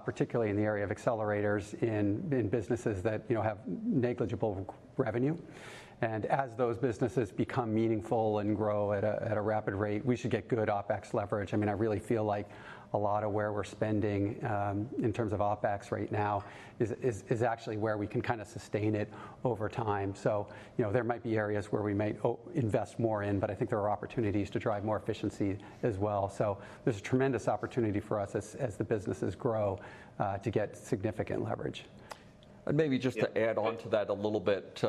particularly in the area of accelerators in businesses that have negligible revenue. And as those businesses become meaningful and grow at a rapid rate, we should get good OpEx leverage. I mean, I really feel like a lot of where we're spending in terms of OpEx right now is actually where we can kind of sustain it over time. So there might be areas where we might invest more in, but I think there are opportunities to drive more efficiency as well. So there's a tremendous opportunity for us as the businesses grow to get significant leverage. Maybe just to add on to that a little bit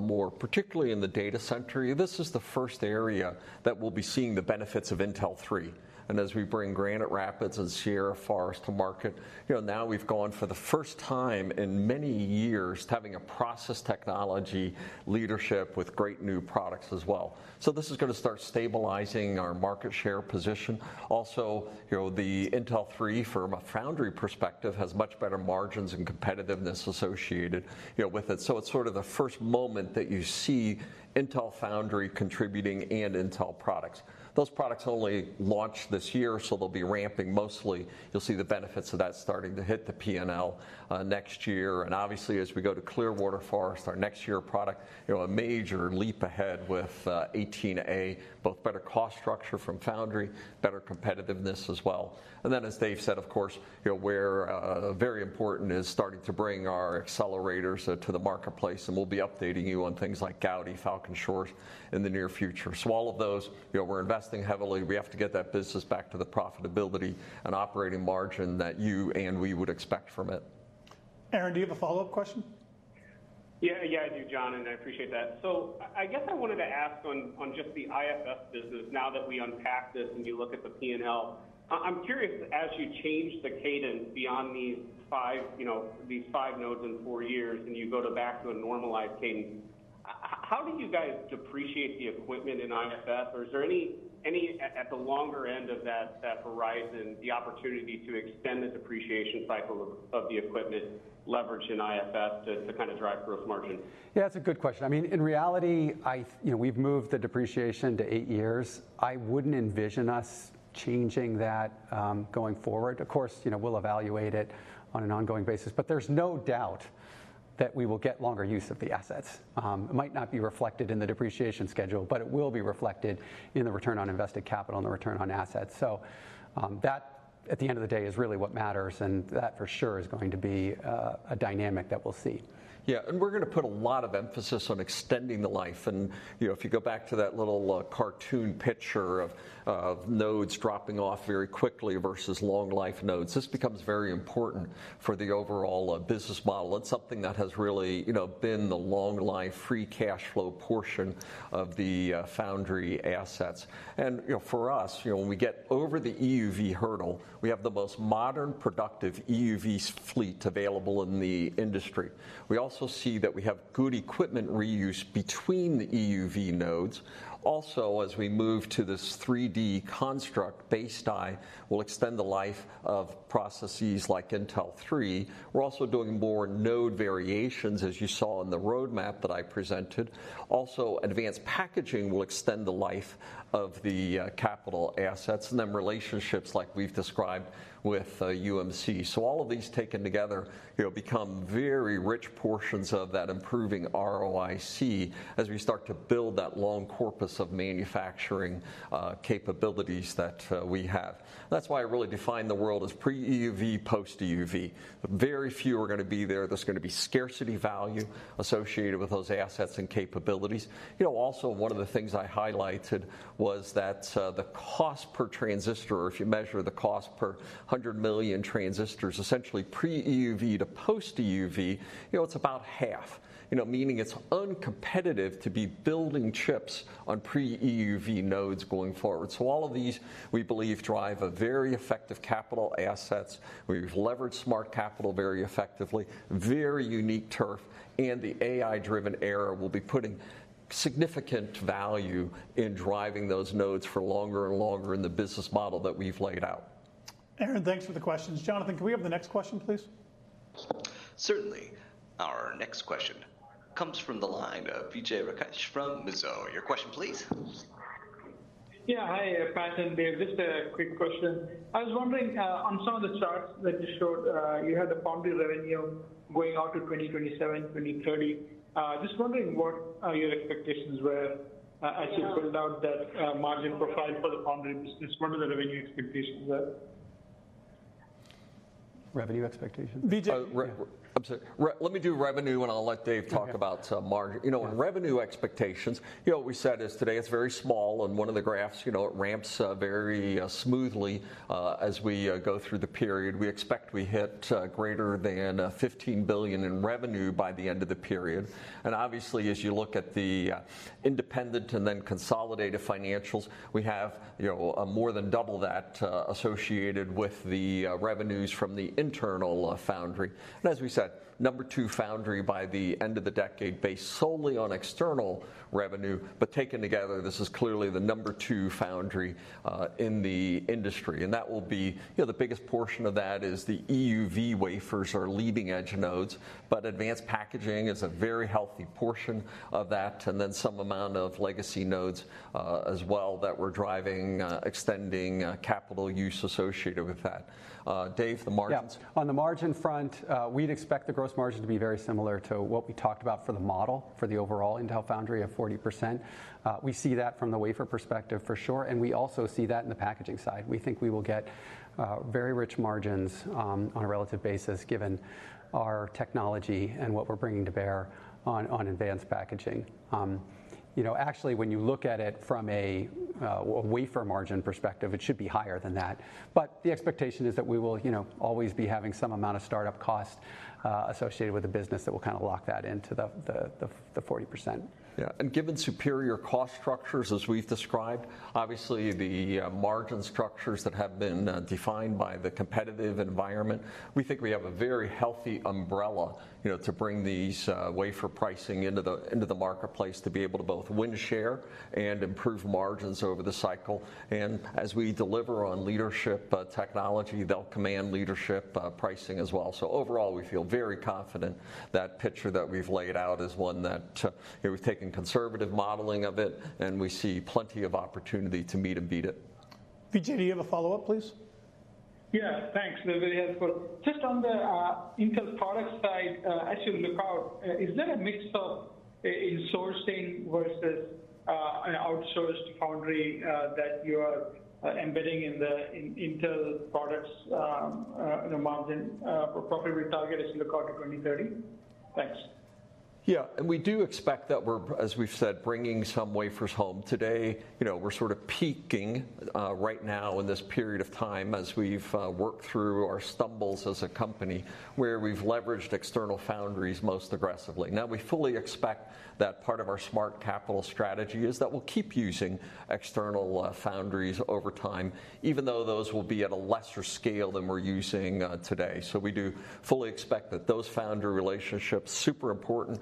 more, particularly in the data center, this is the first area that we'll be seeing the benefits of Intel 3. As we bring Granite Rapids and Sierra Forest to market, now we've gone for the first time in many years to having a process technology leadership with great new products as well. So this is going to start stabilizing our market share position. Also, the Intel 3 from a foundry perspective has much better margins and competitiveness associated with it. So it's sort of the first moment that you see Intel Foundry contributing and Intel Products. Those products only launched this year, so they'll be ramping mostly. You'll see the benefits of that starting to hit the P&L next year. Obviously, as we go to Clearwater Forest, our next year product, a major leap ahead with 18A, both better cost structure from foundry, better competitiveness as well. Then, as Dave said, of course, where very important is starting to bring our accelerators to the marketplace. We'll be updating you on things like Gaudi, Falcon Shores in the near future. All of those, we're investing heavily. We have to get that business back to the profitability and operating margin that you and we would expect from it. Aaron, do you have a follow-up question? Yeah, I do, John, and I appreciate that. So I guess I wanted to ask on just the IFS business now that we unpack this and you look at the P&L. I'm curious, as you change the cadence beyond these five nodes in four years and you go back to a normalized cadence, how do you guys depreciate the equipment in IFS? Or is there any at the longer end of that horizon, the opportunity to extend the depreciation cycle of the equipment leverage in IFS to kind of drive gross margin? Yeah, that's a good question. I mean, in reality, we've moved the depreciation to eight years. I wouldn't envision us changing that going forward. Of course, we'll evaluate it on an ongoing basis. There's no doubt that we will get longer use of the assets. It might not be reflected in the depreciation schedule, but it will be reflected in the return on invested capital and the return on assets. That, at the end of the day, is really what matters. That for sure is going to be a dynamic that we'll see. Yeah. And we're going to put a lot of emphasis on extending the life. And if you go back to that little cartoon picture of nodes dropping off very quickly versus long-life nodes, this becomes very important for the overall business model. It's something that has really been the long-life, free cash flow portion of the foundry assets. And for us, when we get over the EUV hurdle, we have the most modern, productive EUV fleet available in the industry. We also see that we have good equipment reuse between the EUV nodes. Also, as we move to this 3D construct, base die will extend the life of processes like Intel 3. We're also doing more node variations, as you saw in the roadmap that I presented. Also, advanced packaging will extend the life of the capital assets and then relationships like we've described with UMC. So all of these taken together become very rich portions of that improving ROIC as we start to build that long corpus of manufacturing capabilities that we have. That's why I really define the world as pre-EUV, post-EUV. Very few are going to be there. There's going to be scarcity value associated with those assets and capabilities. Also, one of the things I highlighted was that the cost per transistor, if you measure the cost per 100 million transistors, essentially pre-EUV to post-EUV, it's about half, meaning it's uncompetitive to be building chips on pre-EUV nodes going forward. So all of these, we believe, drive very effective capital assets. We've leveraged Smart Capital very effectively, very unique turf. And the AI-driven era will be putting significant value in driving those nodes for longer and longer in the business model that we've laid out. Aaron, thanks for the questions. Jonathan, can we have the next question, please? Certainly. Our next question comes from the line of Vijay Rakesh from Mizuho. Your question, please. Yeah. Hi, Pat and Dave. Just a quick question. I was wondering, on some of the charts that you showed, you had the foundry revenue going out to 2027, 2030. Just wondering what your expectations were as you build out that margin profile for the foundry business. What are the revenue expectations there? Revenue expectations? Vijay? I'm sorry. Let me do revenue, and I'll let Dave talk about margin. Revenue expectations, what we said is today, it's very small. On one of the graphs, it ramps very smoothly as we go through the period. We expect we hit greater than $15 billion in revenue by the end of the period. And obviously, as you look at the independent and then consolidated financials, we have more than double that associated with the revenues from the internal foundry. And as we said, number two foundry by the end of the decade based solely on external revenue. But taken together, this is clearly the number two foundry in the industry. And that will be the biggest portion of that is the EUV wafers are leading edge nodes. Advanced packaging is a very healthy portion of that and then some amount of legacy nodes as well that we're driving, extending capital use associated with that. Dave, the margins? Yeah. On the margin front, we'd expect the gross margin to be very similar to what we talked about for the model, for the overall Intel Foundry of 40%. We see that from the wafer perspective, for sure. And we also see that in the packaging side. We think we will get very rich margins on a relative basis given our technology and what we're bringing to bear on advanced packaging. Actually, when you look at it from a wafer margin perspective, it should be higher than that. But the expectation is that we will always be having some amount of startup cost associated with the business that will kind of lock that into the 40%. Yeah. And given superior cost structures as we've described, obviously, the margin structures that have been defined by the competitive environment, we think we have a very healthy umbrella to bring these wafer pricing into the marketplace to be able to both win share and improve margins over the cycle. And as we deliver on leadership technology, they'll command leadership pricing as well. So overall, we feel very confident that picture that we've laid out is one that we've taken conservative modeling of it, and we see plenty of opportunity to meet and beat it. Vijay, do you have a follow-up, please? Yeah. Thanks. Just on the Intel product side, as you look out, is there a mix of insourcing versus an outsourced foundry that you are embedding in the Intel Products margin? Probably we target as you look out to 2030. Thanks. Yeah. And we do expect that we're, as we've said, bringing some wafers home. Today, we're sort of peaking right now in this period of time as we've worked through our stumbles as a company where we've leveraged external foundries most aggressively. Now, we fully expect that part of our Smart Capital strategy is that we'll keep using external foundries over time, even though those will be at a lesser scale than we're using today. So we do fully expect that those foundry relationships, super important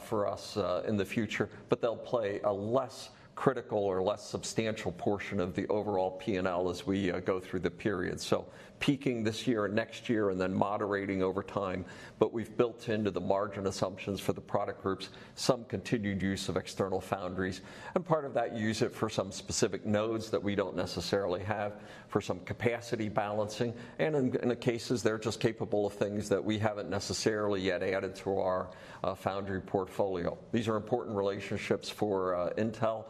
for us in the future, but they'll play a less critical or less substantial portion of the overall P&L as we go through the period. So peaking this year and next year and then moderating over time. But we've built into the margin assumptions for the product groups some continued use of external foundries. Part of that, use it for some specific nodes that we don't necessarily have for some capacity balancing. In cases, they're just capable of things that we haven't necessarily yet added to our foundry portfolio. These are important relationships for Intel.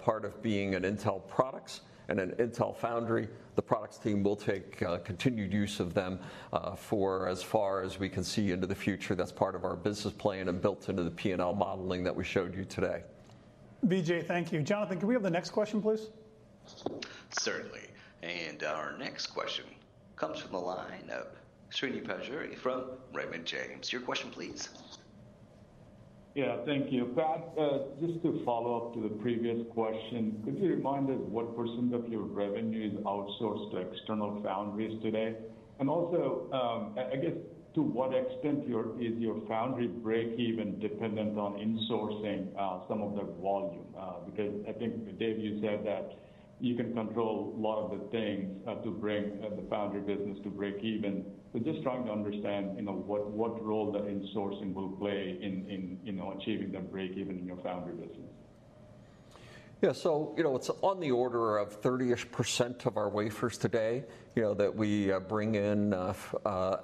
Part of being an Intel Products and an Intel Foundry, the products team will take continued use of them for as far as we can see into the future. That's part of our business plan and built into the P&L modeling that we showed you today. Vijay, thank you. Jonathan, can we have the next question, please? Certainly. Our next question comes from the line of Srini Pajjuri from Raymond James. Your question, please. Yeah. Thank you. Pat, just to follow up to the previous question, could you remind us what percentage of your revenue is outsourced to external foundries today? And also, I guess, to what extent is your foundry breakeven dependent on insourcing some of that volume? Because I think, Dave, you said that you can control a lot of the things to bring the foundry business to breakeven. So just trying to understand what role that insourcing will play in achieving that breakeven in your foundry business. Yeah. So it's on the order of 30-ish percent of our wafers today that we bring in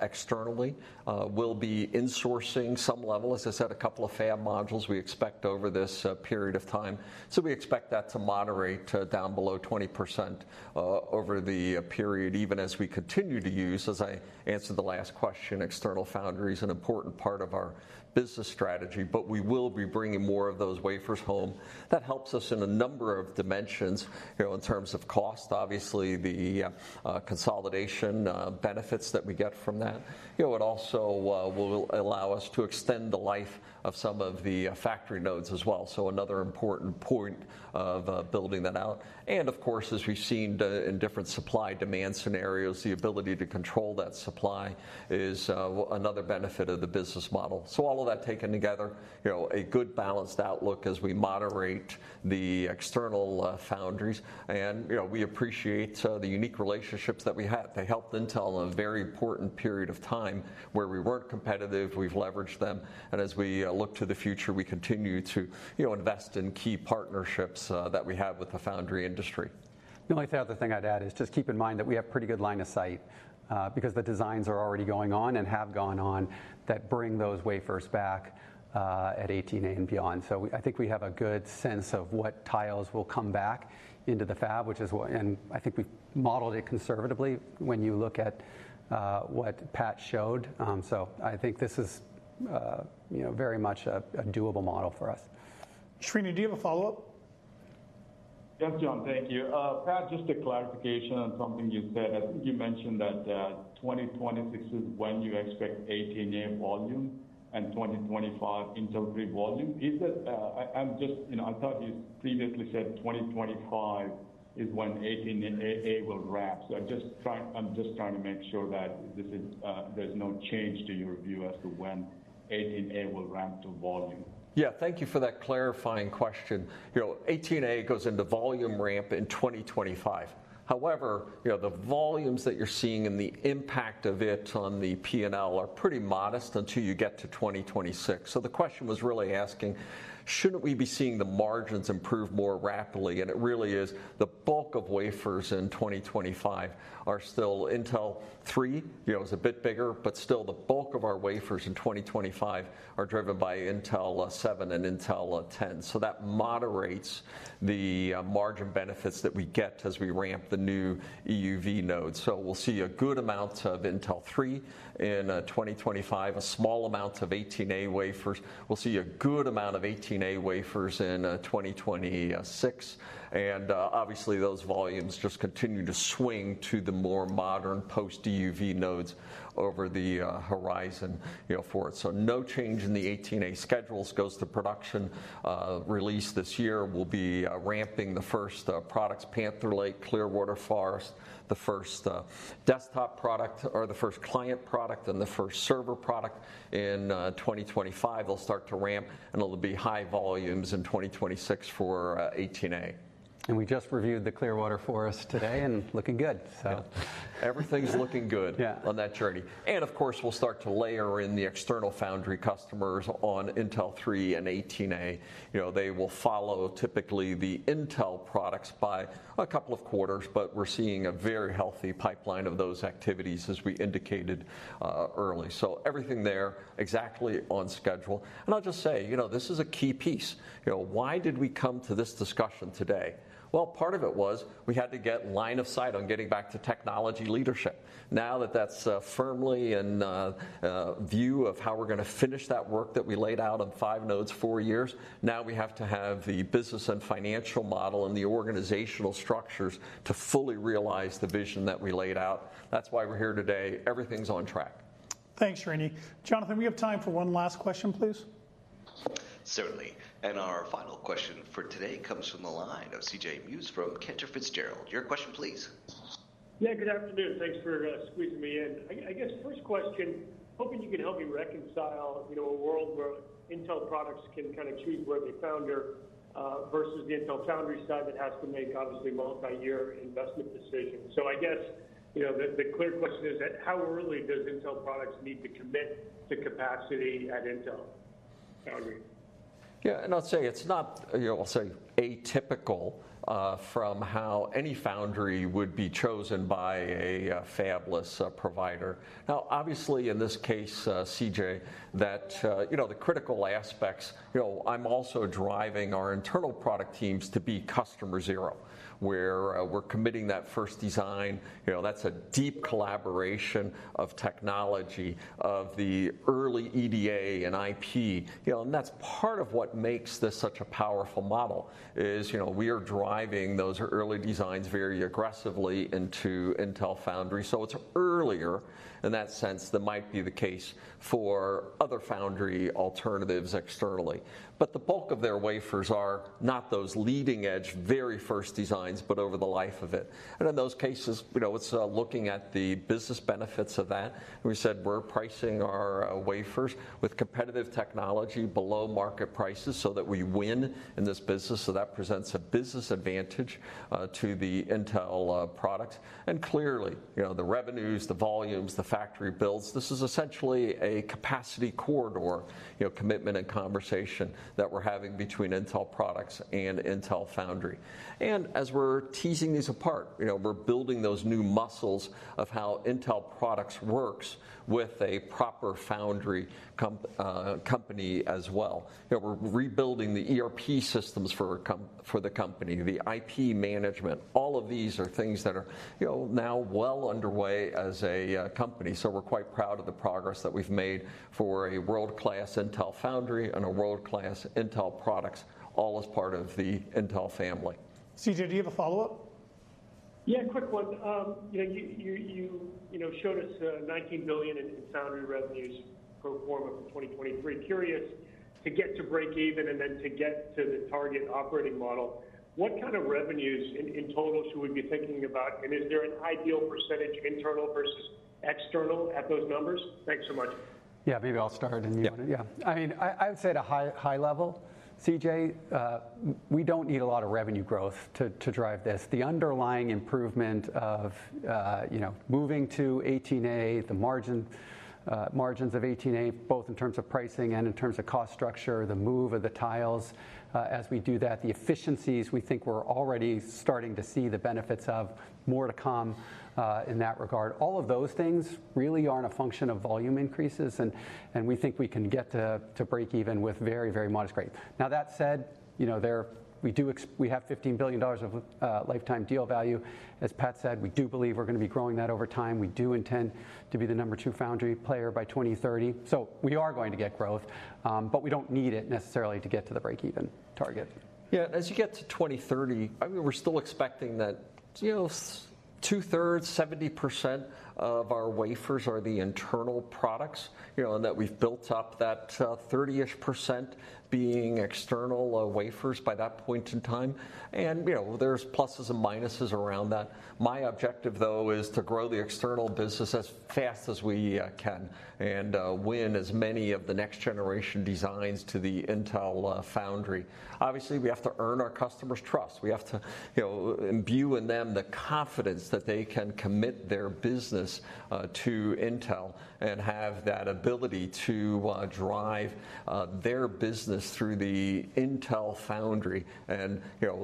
externally. We'll be insourcing some level. As I said, a couple of fab modules we expect over this period of time. So we expect that to moderate down below 20% over the period, even as we continue to use. As I answered the last question, external foundry is an important part of our business strategy. But we will be bringing more of those wafers home. That helps us in a number of dimensions in terms of cost, obviously, the consolidation benefits that we get from that. It also will allow us to extend the life of some of the factory nodes as well. So another important point of building that out. And of course, as we've seen in different supply-demand scenarios, the ability to control that supply is another benefit of the business model. So all of that taken together, a good balanced outlook as we moderate the external foundries. And we appreciate the unique relationships that we had. They helped Intel in a very important period of time where we weren't competitive. We've leveraged them. And as we look to the future, we continue to invest in key partnerships that we have with the foundry industry. The only other thing I'd add is just keep in mind that we have a pretty good line of sight because the designs are already going on and have gone on that bring those wafers back at 18A and beyond. So I think we have a good sense of what tiles will come back into the fab, which is what and I think we've modeled it conservatively when you look at what Pat showed. So I think this is very much a doable model for us. Srini, do you have a follow-up? Yes, John. Thank you. Pat, just a clarification on something you said. I think you mentioned that 2026 is when you expect 18A volume and 2025 Intel 3 volume. I thought you previously said 2025 is when 18A will ramp. So I'm just trying to make sure that there's no change to your view as to when 18A will ramp to volume. Yeah. Thank you for that clarifying question. 18A goes into volume ramp in 2025. However, the volumes that you're seeing and the impact of it on the P&L are pretty modest until you get to 2026. So the question was really asking, shouldn't we be seeing the margins improve more rapidly? And it really is. The bulk of wafers in 2025 are still Intel 3. It was a bit bigger, but still the bulk of our wafers in 2025 are driven by Intel 7 and Intel 10. So that moderates the margin benefits that we get as we ramp the new EUV nodes. So we'll see a good amount of Intel 3 in 2025, a small amount of 18A wafers. We'll see a good amount of 18A wafers in 2026. And obviously, those volumes just continue to swing to the more modern post-EUV nodes over the horizon for it. So no change in the 18A schedules. Goes to production release this year. We'll be ramping the first products, Panther Lake, Clearwater Forest, the first desktop product or the first client product, and the first server product in 2025. They'll start to ramp, and it'll be high volumes in 2026 for 18A. We just reviewed the Clearwater Forest today, and looking good. Everything's looking good on that journey. Of course, we'll start to layer in the external foundry customers on Intel 3 and 18A. They will follow typically the Intel Products by a couple of quarters. We're seeing a very healthy pipeline of those activities as we indicated early. Everything there exactly on schedule. I'll just say, this is a key piece. Why did we come to this discussion today? Well, part of it was we had to get line of sight on getting back to technology leadership. Now that that's firmly in view of how we're going to finish that work that we laid out on five nodes, four years, now we have to have the business and financial model and the organizational structures to fully realize the vision that we laid out. That's why we're here today. Everything's on track. Thanks, Srini. Jonathan, we have time for one last question, please. Certainly. And our final question for today comes from the line of CJ Muse from Cantor Fitzgerald. Your question, please. Yeah. Good afternoon. Thanks for squeezing me in. I guess first question, hoping you can help me reconcile a world where Intel Products can kind of choose where they foundry versus the Intel Foundry side that has to make, obviously, multiyear investment decisions. So I guess the clear question is, how early does Intel Products need to commit to capacity at Intel Foundry? Yeah. And I'll say it's not atypical from how any foundry would be chosen by a fabless provider. Now, obviously, in this case, CJ, the critical aspects, I'm also driving our internal product teams to be customer zero where we're committing that first design. That's a deep collaboration of technology, of the early EDA and IP. And that's part of what makes this such a powerful model is we are driving those early designs very aggressively into Intel Foundry. So it's earlier in that sense than might be the case for other foundry alternatives externally. But the bulk of their wafers are not those leading edge, very first designs, but over the life of it. And in those cases, it's looking at the business benefits of that. We said we're pricing our wafers with competitive technology below market prices so that we win in this business. So that presents a business advantage to the Intel Products. Clearly, the revenues, the volumes, the factory builds, this is essentially a capacity corridor commitment and conversation that we're having between Intel Products and Intel Foundry. As we're teasing these apart, we're building those new muscles of how Intel Products works with a proper foundry company as well. We're rebuilding the ERP systems for the company, the IP management. All of these are things that are now well underway as a company. So we're quite proud of the progress that we've made for a world-class Intel Foundry and a world-class Intel Products, all as part of the Intel family. CJ, do you have a follow-up? Yeah. Quick one. You showed us $19 billion in foundry revenues pro forma for 2023. Curious, to get to breakeven and then to get to the target operating model, what kind of revenues in total should we be thinking about? And is there an ideal percentage internal versus external at those numbers? Thanks so much. Yeah. Maybe I'll start and you want to, yeah. I mean, I would say at a high level, CJ, we don't need a lot of revenue growth to drive this. The underlying improvement of moving to 18A, the margins of 18A, both in terms of pricing and in terms of cost structure, the move of the tiles as we do that, the efficiencies, we think we're already starting to see the benefits of more to come in that regard. All of those things really aren't a function of volume increases. We think we can get to breakeven with very, very modest growth. Now, that said, we have $15 billion of lifetime deal value. As Pat said, we do believe we're going to be growing that over time. We do intend to be the number two foundry player by 2030. So we are going to get growth. But we don't need it necessarily to get to the breakeven target. Yeah. As you get to 2030, I mean, we're still expecting that two-thirds, 70% of our wafers are the internal products and that we've built up that 30-ish percent being external wafers by that point in time. And there's pluses and minuses around that. My objective, though, is to grow the external business as fast as we can and win as many of the next generation designs to the Intel Foundry. Obviously, we have to earn our customers' trust. We have to imbue in them the confidence that they can commit their business to Intel and have that ability to drive their business through the Intel Foundry. And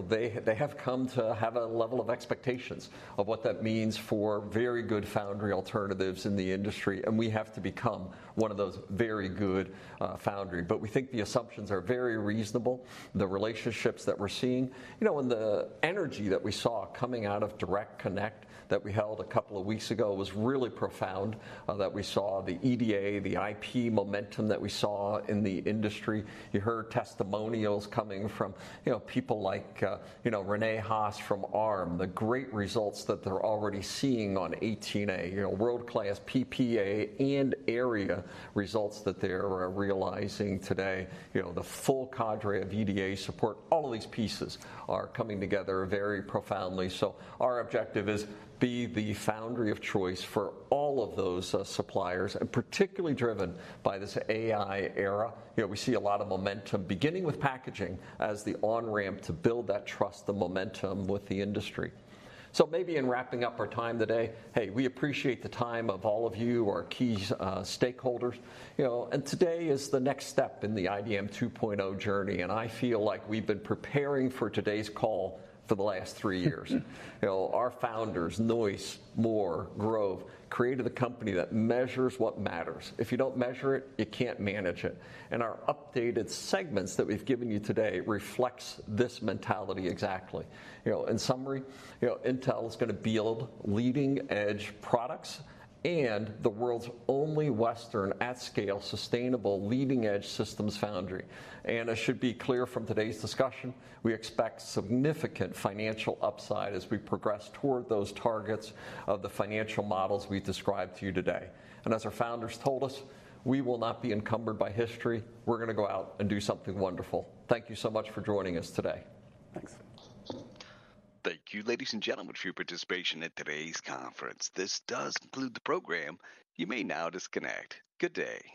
they have come to have a level of expectations of what that means for very good foundry alternatives in the industry. And we have to become one of those very good foundry. But we think the assumptions are very reasonable. The relationships that we're seeing and the energy that we saw coming out of Direct Connect that we held a couple of weeks ago was really profound, that we saw the EDA, the IP momentum that we saw in the industry. You heard testimonials coming from people like Rene Haas from Arm, the great results that they're already seeing on 18A, world-class PPA and area results that they're realizing today. The full cadre of EDA support, all of these pieces are coming together very profoundly. So our objective is be the foundry of choice for all of those suppliers, and particularly driven by this AI era. We see a lot of momentum beginning with packaging as the on-ramp to build that trust, the momentum with the industry. So maybe in wrapping up our time today, hey, we appreciate the time of all of you, our key stakeholders. Today is the next step in the IDM 2.0 journey. I feel like we've been preparing for today's call for the last three years. Our founders, Noyce, Moore, Grove, created the company that measures what matters. If you don't measure it, you can't manage it. Our updated segments that we've given you today reflect this mentality exactly. In summary, Intel is going to build leading-edge products and the world's only Western at-scale sustainable leading-edge Systems Foundry. It should be clear from today's discussion. We expect significant financial upside as we progress toward those targets of the financial models we've described to you today. As our founders told us, we will not be encumbered by history. We're going to go out and do something wonderful. Thank you so much for joining us today. Thank you, ladies and gentlemen, for your participation at today's conference. This does conclude the program. You may now disconnect. Good day.